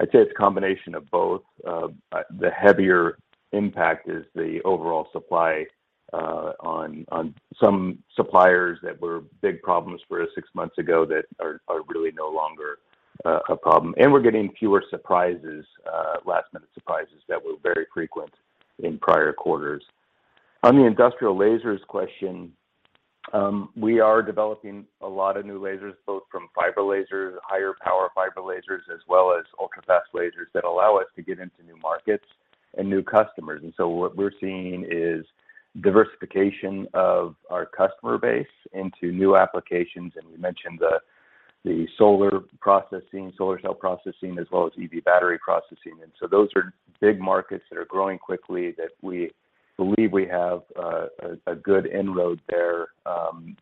I'd say it's a combination of both. The heavier impact is the overall supply on some suppliers that were big problems for us six months ago that are really no longer a problem. We're getting fewer surprises, last-minute surprises that were very frequent in prior quarters. On the industrial lasers question, we are developing a lot of new lasers, both from Fiber Lasers, higher power Fiber Lasers, as well as Ultrafast Lasers that allow us to get into new markets and new customers. What we're seeing is diversification of our customer base into new applications, and we mentioned the solar processing, solar cell processing as well as EV battery processing. Those are big markets that are growing quickly that we believe we have a good inroad there,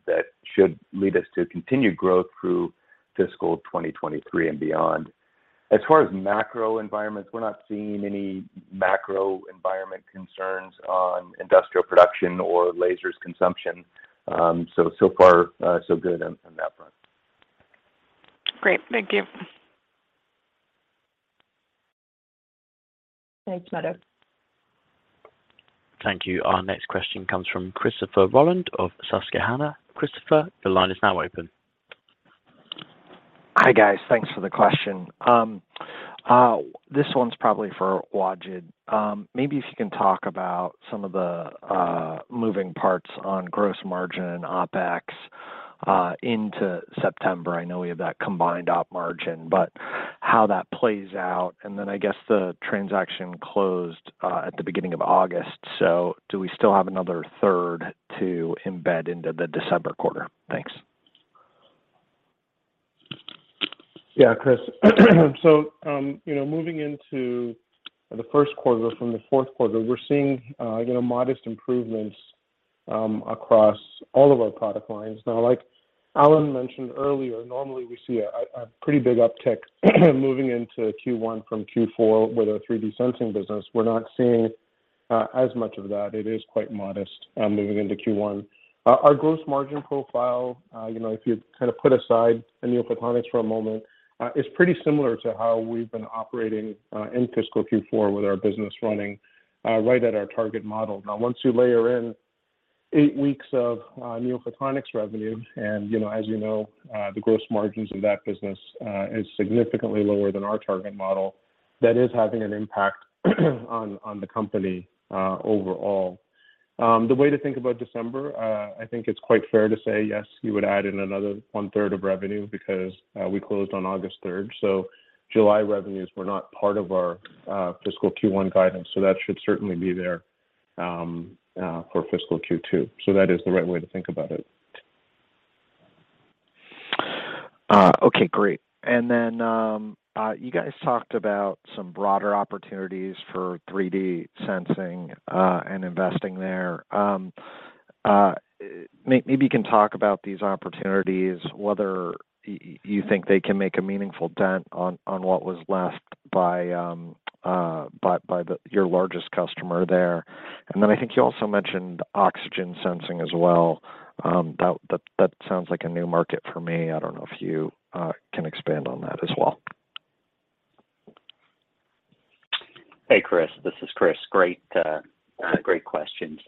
that should lead us to continued growth through fiscal 2023 and beyond. As far as macro environments, we're not seeing any macro environment concerns on industrial production or lasers consumption. So far, so good on that front. Great. Thank you. Thanks, Meta. Thank you. Our next question comes from Christopher Rolland of Susquehanna. Christopher, your line is now open. Hi, guys. Thanks for the question. This one's probably for Wajid. Maybe if you can talk about some of the moving parts on gross margin and OpEx into September. I know we have that combined op margin, but how that plays out. Then I guess the transaction closed at the beginning of August, so do we still have another third to embed into the December quarter? Thanks. Yeah, Chris. You know, moving into the first quarter from the fourth quarter, we're seeing you know, modest improvements across all of our product lines. Now, like Alan mentioned earlier, normally we see a pretty big uptick moving into Q1 from Q4 with our 3D sensing business. We're not seeing as much of that. It is quite modest moving into Q1. Our gross margin profile, you know, if you kind of put aside NeoPhotonics for a moment, is pretty similar to how we've been operating in fiscal Q4 with our business running right at our target model. Now, once you layer in eight weeks of NeoPhotonics revenue, and, you know, as you know, the gross margins in that business is significantly lower than our target model, that is having an impact on the company overall. The way to think about December, I think it's quite fair to say yes, you would add in another one third of revenue because we closed on August third. July revenues were not part of our fiscal Q1 guidance, so that should certainly be there for fiscal Q2. That is the right way to think about it. Okay, great. You guys talked about some broader opportunities for 3D sensing and investing there. Maybe you can talk about these opportunities, whether you think they can make a meaningful dent on what was left by your largest customer there. I think you also mentioned occupant sensing as well. That sounds like a new market for me. I don't know if you can expand on that as well. Hey, Chris. This is Chris. Great questions.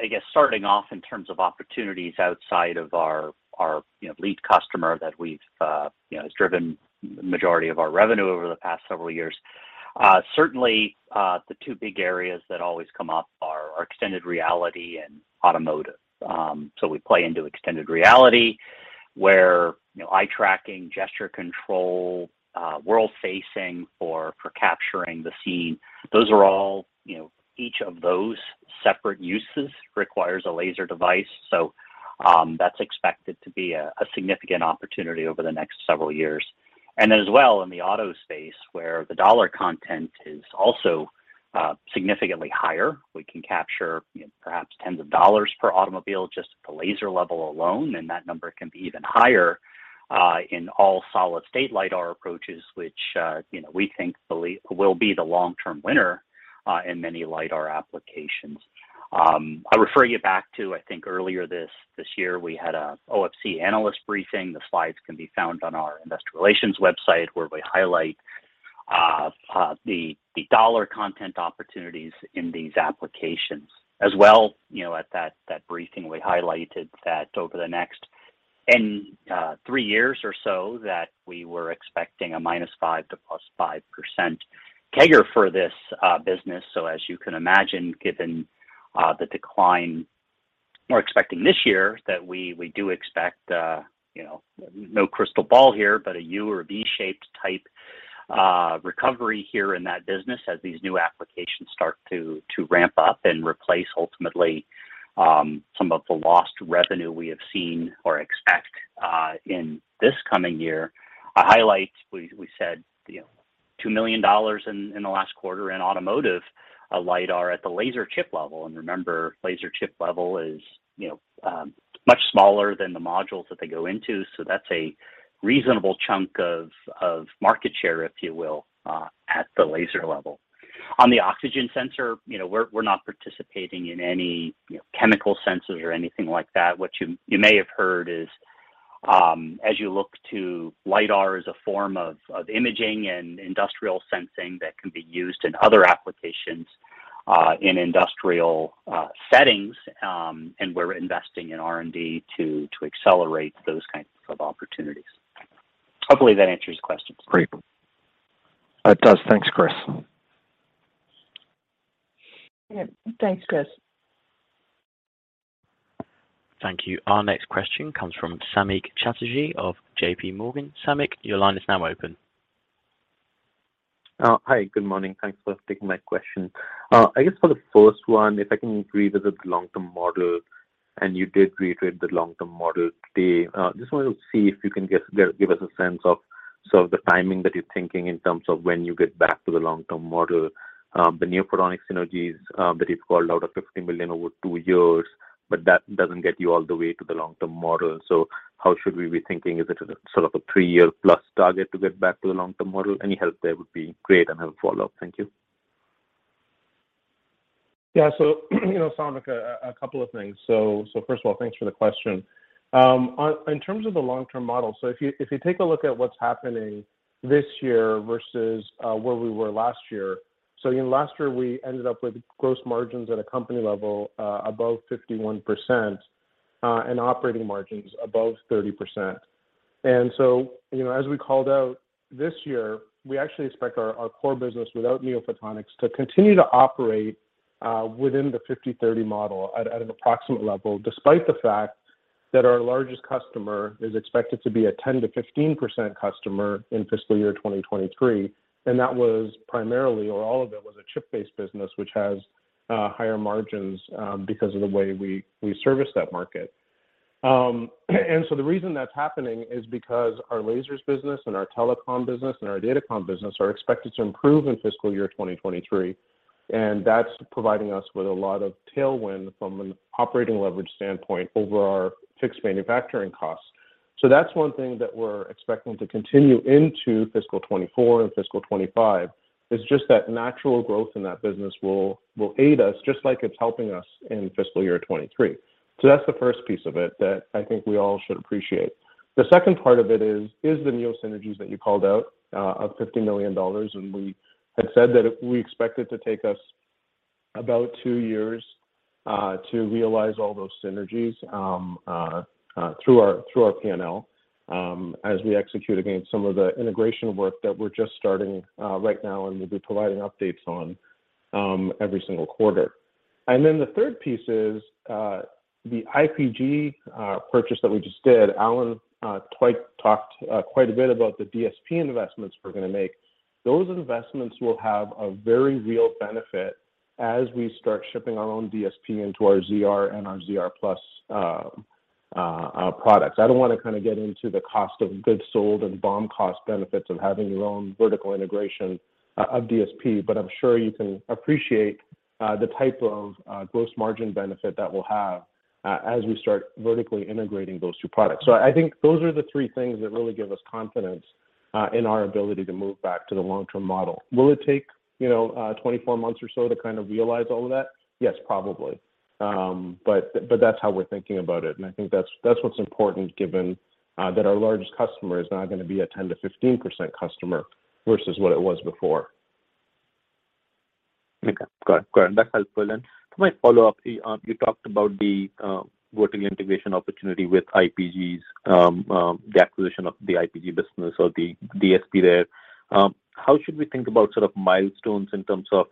I guess starting off in terms of opportunities outside of our you know lead customer that we've you know has driven the majority of our revenue over the past several years. Certainly, the two big areas that always come up are extended reality and automotive. We play into extended reality where you know eye tracking, gesture control, world-facing for capturing the scene. Those are all you know each of those separate uses requires a laser device. That's expected to be a significant opportunity over the next several years. As well, in the auto space where the dollar content is also significantly higher, we can capture perhaps tens of dollars per automobile just at the laser level alone, and that number can be even higher in all solid-state LiDAR approaches, which you know we think will be the long-term winner in many LiDAR applications. I refer you back to I think earlier this year we had a OFC analyst briefing. The slides can be found on our investor relations website, where we highlight the dollar content opportunities in these applications. As well, you know, at that briefing, we highlighted that over the next three years or so, that we were expecting a -5% to +5% CAGR for this business. As you can imagine, given the decline we're expecting this year, that we do expect, you know, no crystal ball here, but a U or a V-shaped type recovery here in that business as these new applications start to ramp up and replace ultimately some of the lost revenue we have seen or expect in this coming year. I highlight, we said, you know, $2 million in the last quarter in automotive LiDAR at the laser chip level. Remember, laser chip level is, you know, much smaller than the modules that they go into. That's a reasonable chunk of market share, if you will, at the laser level. On the oxygen sensor, you know, we're not participating in any, you know, chemical sensors or anything like that. What you may have heard is, as you look to LiDAR as a form of imaging and industrial sensing that can be used in other applications, in industrial settings, and we're investing in R&D to accelerate those kinds of opportunities. Hopefully, that answers your question. Great. It does. Thanks, Chris. Yeah, thanks, Chris. Thank you. Our next question comes from Samik Chatterjee of J.P. Morgan. Samik, your line is now open. Hi. Good morning. Thanks for taking my question. I guess for the first one, if I can revisit the long-term model, and you did reiterate the long-term model today. Just wanted to see if you can give us a sense of sort of the timing that you're thinking in terms of when you get back to the long-term model. The NeoPhotonics synergies that you've called out are $50 million over two years, but that doesn't get you all the way to the long-term model. How should we be thinking? Is it a sort of a three-year plus target to get back to the long-term model? Any help there would be great, and I'll follow up. Thank you. Yeah. You know, Samik, a couple of things. First of all, thanks for the question. In terms of the long-term model, if you take a look at what's happening this year versus where we were last year. You know, last year we ended up with gross margins at a company level above 51%, and operating margins above 30%. You know, as we called out this year, we actually expect our core business without NeoPhotonics to continue to operate within the 50%-30% model at an approximate level, despite the fact that our largest customer is expected to be a 10%-15% customer in fiscal year 2023, and that was primarily, or all of it was a chip-based business, which has higher margins because of the way we service that market. The reason that's happening is because our lasers business and our telecom business and our datacom business are expected to improve in fiscal year 2023, and that's providing us with a lot of tailwind from an operating leverage standpoint over our fixed manufacturing costs. That's one thing that we're expecting to continue into fiscal 2024 and fiscal 2025, is just that natural growth in that business will aid us just like it's helping us in fiscal year 2023. That's the first piece of it that I think we all should appreciate. The second part of it is the Neo synergies that you called out of $50 million, and we had said that we expect it to take us about two years to realize all those synergies through our P&L as we execute against some of the integration work that we're just starting right now, and we'll be providing updates on every single quarter. Then the third piece is the IPG purchase that we just did. Alan, twice talked quite a bit about the DSP investments we're gonna make. Those investments will have a very real benefit as we start shipping our own DSP into our ZR and our ZR+ products. I don't wanna kinda get into the cost of goods sold and BOM cost benefits of having your own vertical integration of DSP, but I'm sure you can appreciate the type of gross margin benefit that we'll have as we start vertically integrating those two products. I think those are the three things that really give us confidence in our ability to move back to the long-term model. Will it take, you know, 24 months or so to kind of realize all of that? Yes, probably. That's how we're thinking about it, and I think that's what's important given that our largest customer is now gonna be a 10%-15% customer versus what it was before. Okay. Got it. That's helpful. For my follow-up, you talked about the vertical integration opportunity with IPG's, the acquisition of the IPG business or the DSP there. How should we think about sort of milestones in terms of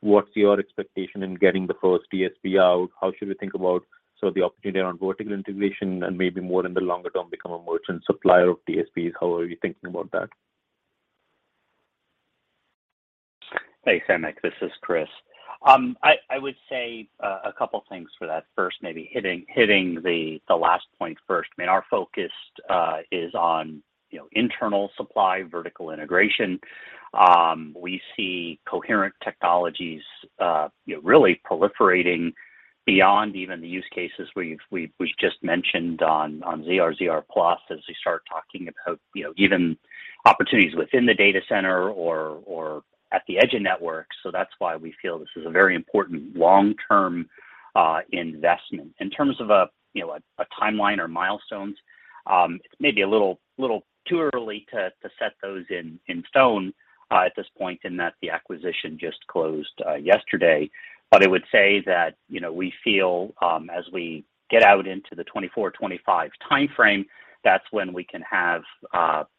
what's your expectation in getting the first DSP out? How should we think about sort of the opportunity around vertical integration and maybe more in the longer term, become a merchant supplier of DSPs? How are you thinking about that? Thanks, Samik. This is Chris. I would say a couple things for that. First, maybe hitting the last point first. I mean, our focus is on, you know, internal supply, vertical integration. We see coherent technologies, you know, really proliferating beyond even the use cases we've just mentioned on ZR+ as we start talking about, you know, even opportunities within the data center or at the edge of networks. So that's why we feel this is a very important long-term investment. In terms of a, you know, a timeline or milestones, it's maybe a little too early to set those in stone at this point in that the acquisition just closed yesterday. I would say that, you know, we feel, as we get out into the 2024, 2025 timeframe, that's when we can have,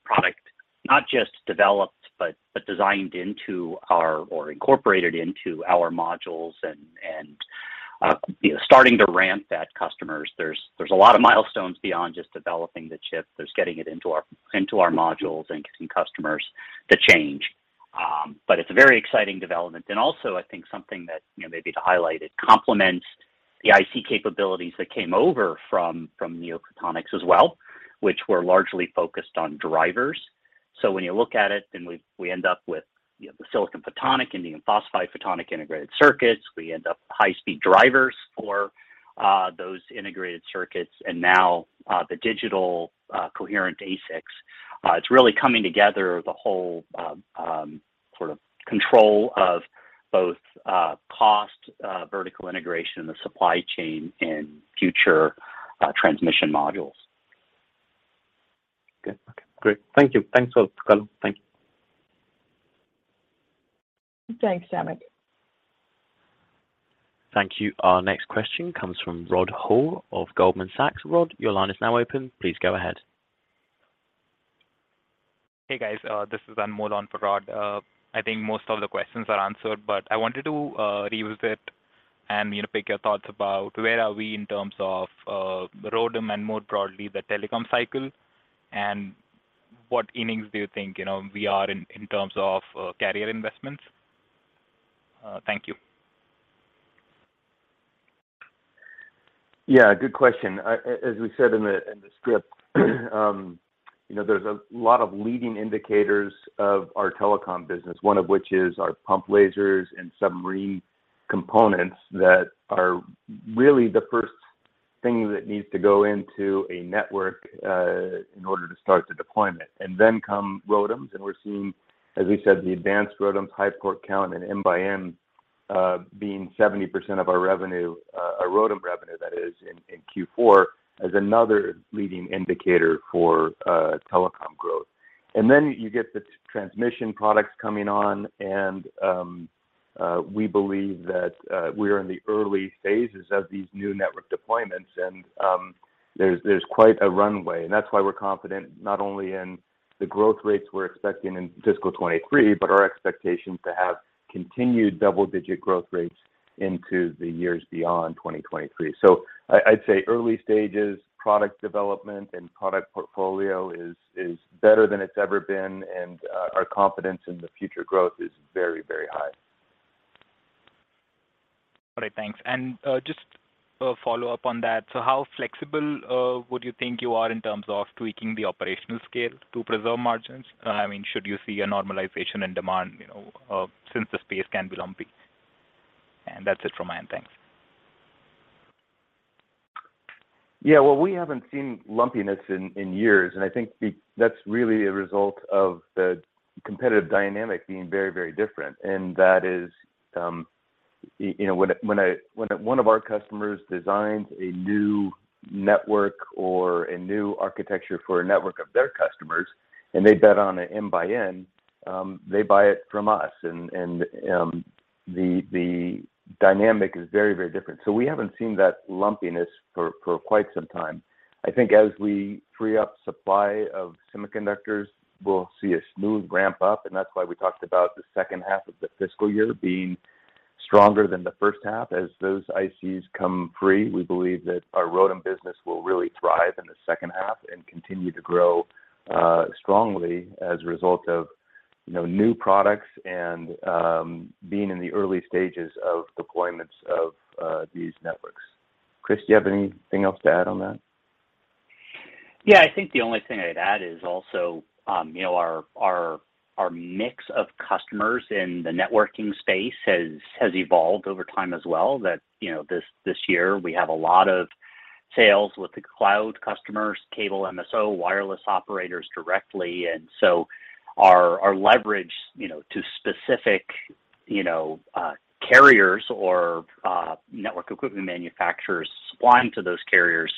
product not just developed but designed into our or incorporated into our modules and, you know, starting to ramp at customers. There's a lot of milestones beyond just developing the chip. There's getting it into our modules and getting customers to change. It's a very exciting development. Also, I think something that, you know, maybe to highlight, it complements the IC capabilities that came over from NeoPhotonics as well, which were largely focused on drivers. When you look at it, then we end up with, you know, the silicon photonics, indium phosphide photonic integrated circuits. We end up high speed drivers for those integrated circuits and now the digital coherent ASICs. It's really coming together, the whole sort of control of both cost, vertical integration in the supply chain, and future transmission modules. Okay, great. Thank you. Thanks a lot, Alan Lowe. Thank you. Thanks, Samik. Thank you. Our next question comes from Rod Hall of Goldman Sachs. Rod, your line is now open. Please go ahead. Hey, guys. This is Anmol on for Rod. I think most of the questions are answered, but I wanted to re-ask it and, you know, pick your thoughts about where are we in terms of the ROADM and more broadly the telecom cycle, and what innings do you think, you know, we are in terms of carrier investments? Thank you. Yeah, good question. As we said in the script, you know, there's a lot of leading indicators of our telecom business, one of which is our pump lasers and subsea components that are really the first thing that needs to go into a network in order to start the deployment. Then come ROADMs, and we're seeing, as we said, the advanced ROADMs, high port count, and M x N being 70% of our revenue, our ROADM revenue that is, in Q4, as another leading indicator for telecom growth. You get the transmission products coming on and we believe that we're in the early phases of these new network deployments and there's quite a runway. That's why we're confident not only in the growth rates we're expecting in fiscal 2023, but our expectations to have continued double-digit growth rates into the years beyond 2023. I'd say early stages, product development, and product portfolio is better than it's ever been, and our confidence in the future growth is very, very high. All right, thanks. Just a follow-up on that. How flexible would you think you are in terms of tweaking the operational scale to preserve margins? I mean, should you see a normalization in demand, you know, since the space can be lumpy? That's it from my end. Thanks. Yeah. Well, we haven't seen lumpiness in years, and I think that's really a result of the competitive dynamic being very, very different. That is, you know, when one of our customers designs a new network or a new architecture for a network of their customers and they bet on a M x N, they buy it from us and the dynamic is very, very different. We haven't seen that lumpiness for quite some time. I think as we free up supply of semiconductors, we'll see a smooth ramp up, and that's why we talked about the second half of the fiscal year being stronger than the first half. As those ICs come free, we believe that our ROADM business will really thrive in the second half and continue to grow strongly as a result of, you know, new products and being in the early stages of deployments of these networks. Chris, do you have anything else to add on that? Yeah. I think the only thing I'd add is also, you know, our mix of customers in the networking space has evolved over time as well. You know, this year we have a lot of sales with the cloud customers, cable MSO, wireless operators directly. Our leverage, you know, to specific, you know, carriers or network equipment manufacturers supplying to those carriers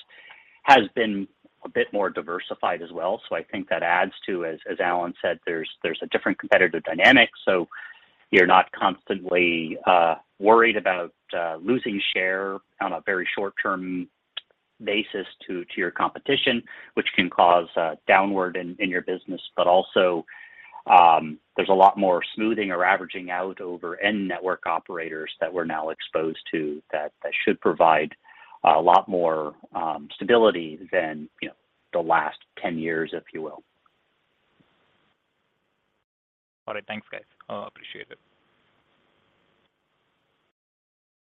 has been a bit more diversified as well. I think that adds to, as Alan said, there's a different competitive dynamic, so you're not constantly worried about losing share on a very short-term basis to your competition, which can cause downward in your business. Also, there's a lot more smoothing or averaging out over end network operators that we're now exposed to that should provide a lot more stability than, you know, the last 10 years, if you will. All right. Thanks, guys. I appreciate it.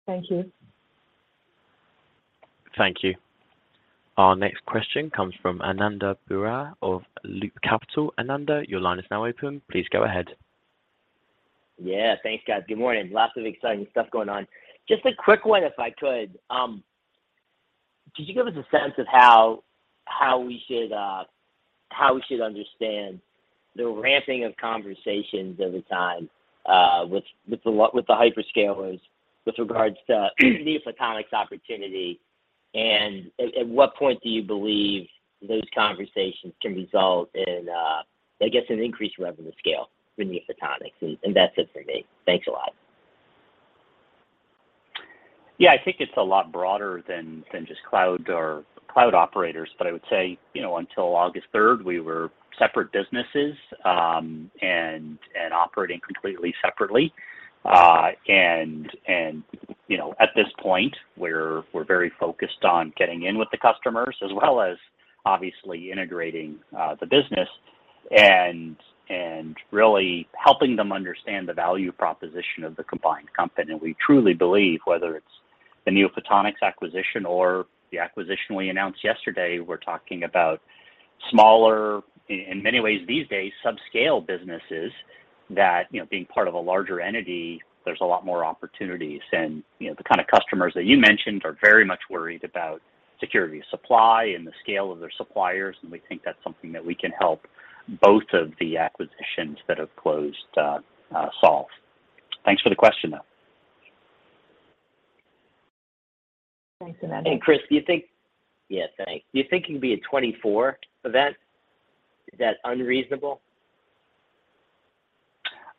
Thank you. Thank you. Our next question comes from Ananda Baruah of Loop Capital. Ananda, your line is now open. Please go ahead. Yeah. Thanks, guys. Good morning. Lots of exciting stuff going on. Just a quick one if I could. Could you give us a sense of how we should understand the ramping of conversations over time with the hyperscalers with regards to the photonics opportunity? At what point do you believe those conversations can result in I guess in increased revenue scale in the photonics? That's it for me. Thanks a lot. Yeah. I think it's a lot broader than just cloud or cloud operators. I would say, you know, until August third, we were separate businesses, and operating completely separately. You know, at this point we're very focused on getting in with the customers as well as obviously integrating the business and really helping them understand the value proposition of the combined company. We truly believe, whether it's the NeoPhotonics acquisition or the acquisition we announced yesterday, we're talking about smaller, in many ways these days, subscale businesses. That, you know, being part of a larger entity, there's a lot more opportunities. You know, the kind of customers that you mentioned are very much worried about security of supply and the scale of their suppliers, and we think that's something that we can help both of the acquisitions that have closed, solve. Thanks for the question, though. Thanks, Ananda. Chris, do you think? Yeah, thanks. Do you think it'll be a 24 event? Is that unreasonable?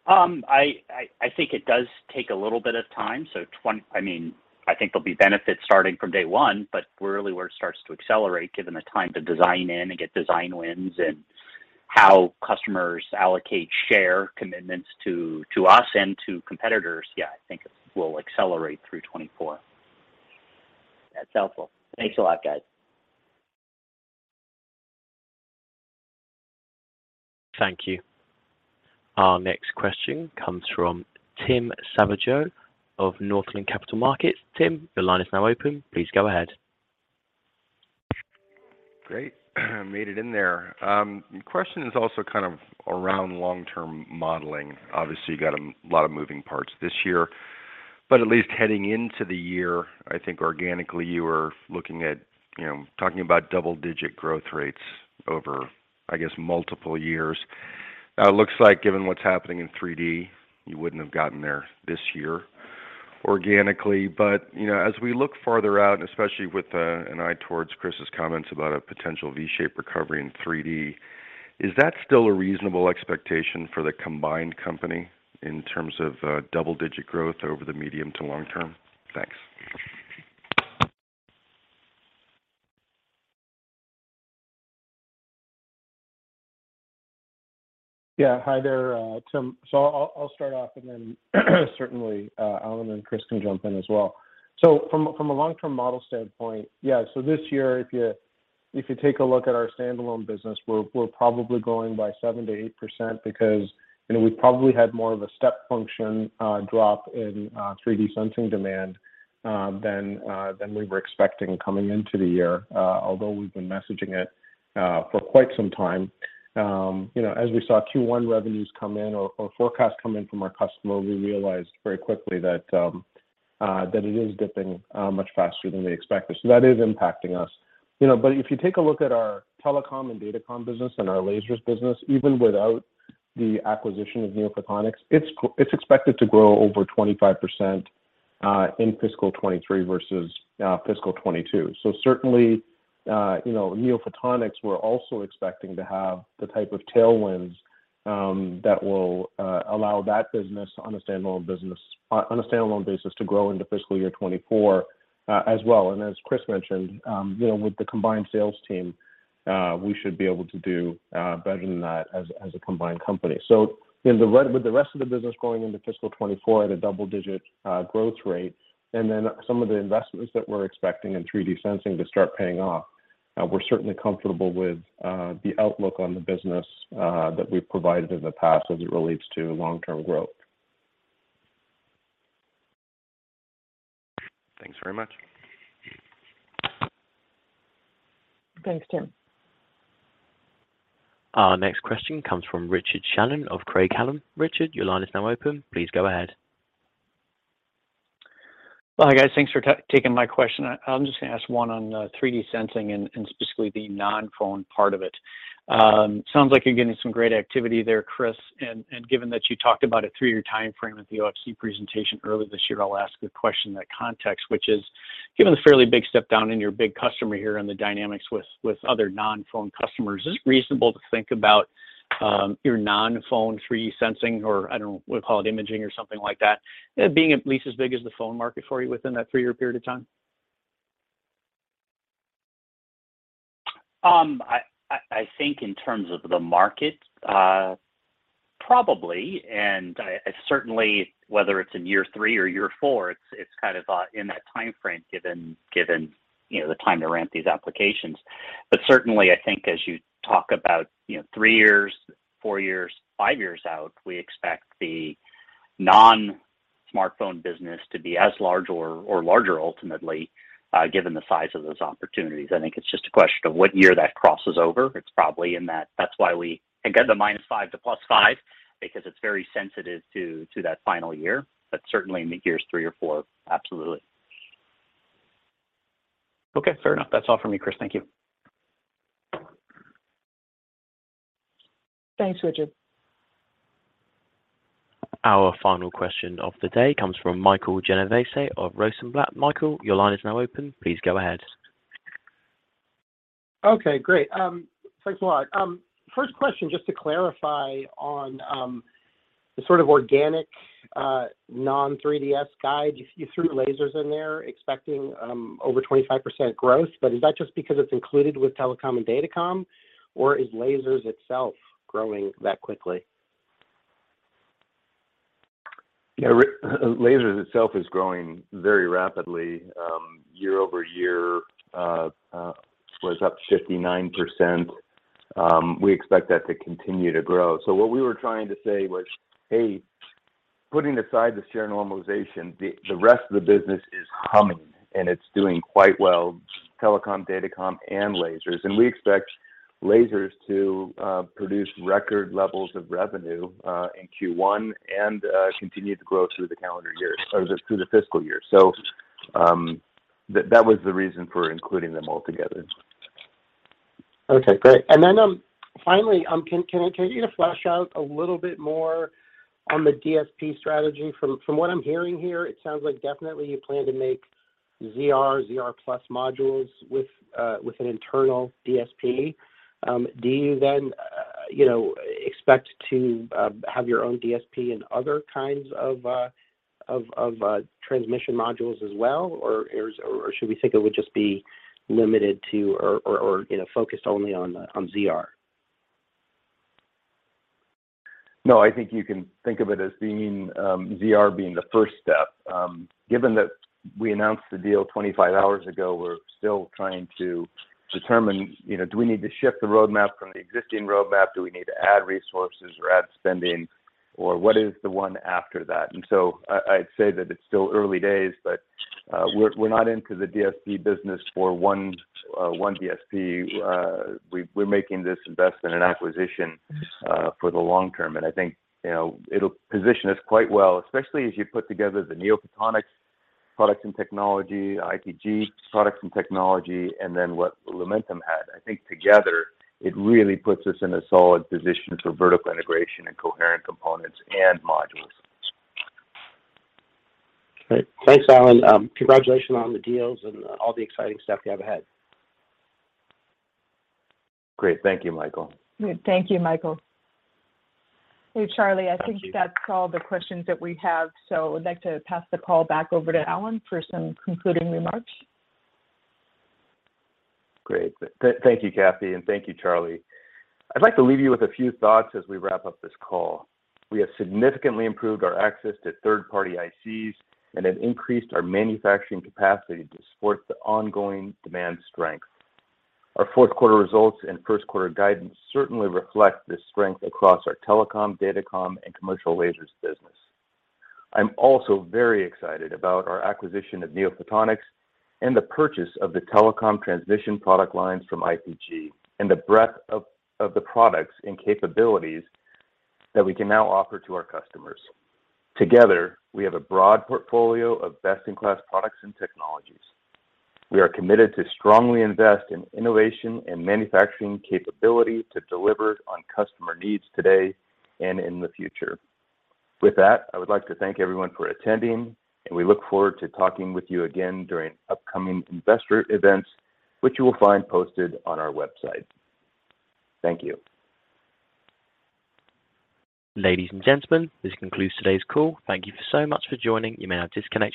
I think it does take a little bit of time. I mean, I think there'll be benefits starting from day one, but really where it starts to accelerate given the time to design in and get design wins and how customers allocate share commitments to us and to competitors, yeah, I think it will accelerate through 2024. That's helpful. Thanks a lot, guys. Thank you. Our next question comes from Tim Savageaux of Northland Capital Markets. Tim, the line is now open. Please go ahead. Great. Made it in there. The question is also kind of around long-term modeling. Obviously, you got a lot of moving parts this year. At least heading into the year, I think organically you were looking at, you know, talking about double-digit growth rates over, I guess, multiple years. It looks like given what's happening in 3D, you wouldn't have gotten there this year organically. You know, as we look farther out, and especially with an eye towards Chris's comments about a potential V-shape recovery in 3D, is that still a reasonable expectation for the combined company in terms of double digit growth over the medium to long term? Thanks. Yeah. Hi there, Tim. I'll start off and then certainly, Alan and Chris can jump in as well. From a long-term model standpoint, yeah, this year, if you take a look at our standalone business, we're probably growing by 7%-8% because, you know, we probably had more of a step function drop in 3D sensing demand than we were expecting coming into the year, although we've been messaging it for quite some time. You know, as we saw Q1 revenues come in or forecast come in from our customer, we realized very quickly that it is dipping much faster than we expected. That is impacting us. You know, if you take a look at our telecom and datacom business and our lasers business, even without the acquisition of NeoPhotonics, it's expected to grow over 25%, in fiscal 2023 versus fiscal 2022. Certainly, you know, NeoPhotonics, we're also expecting to have the type of tailwinds that will allow that business on a standalone basis to grow into fiscal year 2024, as well. As Chris mentioned, you know, with the combined sales team, we should be able to do better than that as a combined company. You know, with the rest of the business growing into fiscal 2024 at a double-digit growth rate, and then some of the investments that we're expecting in 3D sensing to start paying off, we're certainly comfortable with the outlook on the business that we've provided in the past as it relates to long-term growth. Thanks very much. Thanks, Tim. Our next question comes from Richard Shannon of Craig-Hallum Capital Group. Richard, your line is now open. Please go ahead. Hi, guys. Thanks for taking my question. I'm just gonna ask one on 3D sensing and specifically the non-phone part of it. Sounds like you're getting some great activity there, Chris, and given that you talked about a three-year timeframe at the OFC presentation earlier this year, I'll ask the question in that context, which is, given the fairly big step down in your big customer here and the dynamics with other non-phone customers, is it reasonable to think about your non-phone 3D sensing or, I don't know, we'll call it imaging or something like that, it being at least as big as the phone market for you within that three-year period of time? I think in terms of the market, probably, and certainly whether it's in Year 3 or Year 4, it's kind of in that timeframe given you know the time to ramp these applications. Certainly I think as you talk about you know three years, four years, five years out, we expect the non-smartphone business to be as large or larger ultimately given the size of those opportunities. I think it's just a question of what year that crosses over. It's probably in that. That's why we think of the -5 to +5, because it's very sensitive to that final year. Certainly in the years three or four, absolutely. Okay, fair enough. That's all for me, Chris. Thank you. Thanks, Richard. Our final question of the day comes from Mike Genovese of Rosenblatt. Mike, your line is now open. Please go ahead. Okay, great. Thanks a lot. First question, just to clarify on the sort of organic non-3D sensing guide, you threw lasers in there expecting over 25% growth, but is that just because it's included with telecom and datacom, or is lasers itself growing that quickly? Yeah. Our lasers itself is growing very rapidly. Year-over-year, was up 59%. We expect that to continue to grow. What we were trying to say was, hey, putting aside the share normalization, the rest of the business is humming and it's doing quite well, telecom, datacom, and lasers. We expect lasers to produce record levels of revenue in Q1 and continue to grow through the calendar year or through the fiscal year. That was the reason for including them all together. Okay, great. Finally, can I get you to flesh out a little bit more on the DSP strategy? From what I'm hearing here, it sounds like definitely you plan to make ZR, ZR+ modules with an internal DSP. Do you then expect to have your own DSP and other kinds of transmission modules as well? Or should we think it would just be limited to, you know, focused only on ZR? No, I think you can think of it as being, ZR being the first step. Given that we announced the deal 25 hours ago, we're still trying to determine, you know, do we need to shift the roadmap from the existing roadmap? Do we need to add resources or add spending, or what is the one after that? I'd say that it's still early days, but, we're not into the DSP business for one DSP. We're making this investment and acquisition, for the long term. I think, you know, it'll position us quite well, especially as you put together the NeoPhotonics product and technology, IPG product and technology, and then what Lumentum had. I think together it really puts us in a solid position for vertical integration and coherent components and modules. Great. Thanks, Alan. Congratulations on the deals and all the exciting stuff you have ahead. Great. Thank you, Mike. Thank you, Michael. Hey, Charlie, I think that's all the questions that we have. I'd like to pass the call back over to Alan for some concluding remarks. Great. Thank you, Kathy, and thank you, Charlie. I'd like to leave you with a few thoughts as we wrap up this call. We have significantly improved our access to third-party ICs and have increased our manufacturing capacity to support the ongoing demand strength. Our fourth quarter results and first quarter guidance certainly reflect this strength across our telecom, datacom, and commercial lasers business. I'm also very excited about our acquisition of NeoPhotonics and the purchase of the telecom transmission product lines from IPG and the breadth of the products and capabilities that we can now offer to our customers. Together, we have a broad portfolio of best-in-class products and technologies. We are committed to strongly invest in innovation and manufacturing capability to deliver on customer needs today and in the future. With that, I would like to thank everyone for attending, and we look forward to talking with you again during upcoming investor events, which you will find posted on our website. Thank you. Ladies and gentlemen, this concludes today's call. Thank you so much for joining. You may now disconnect your lines.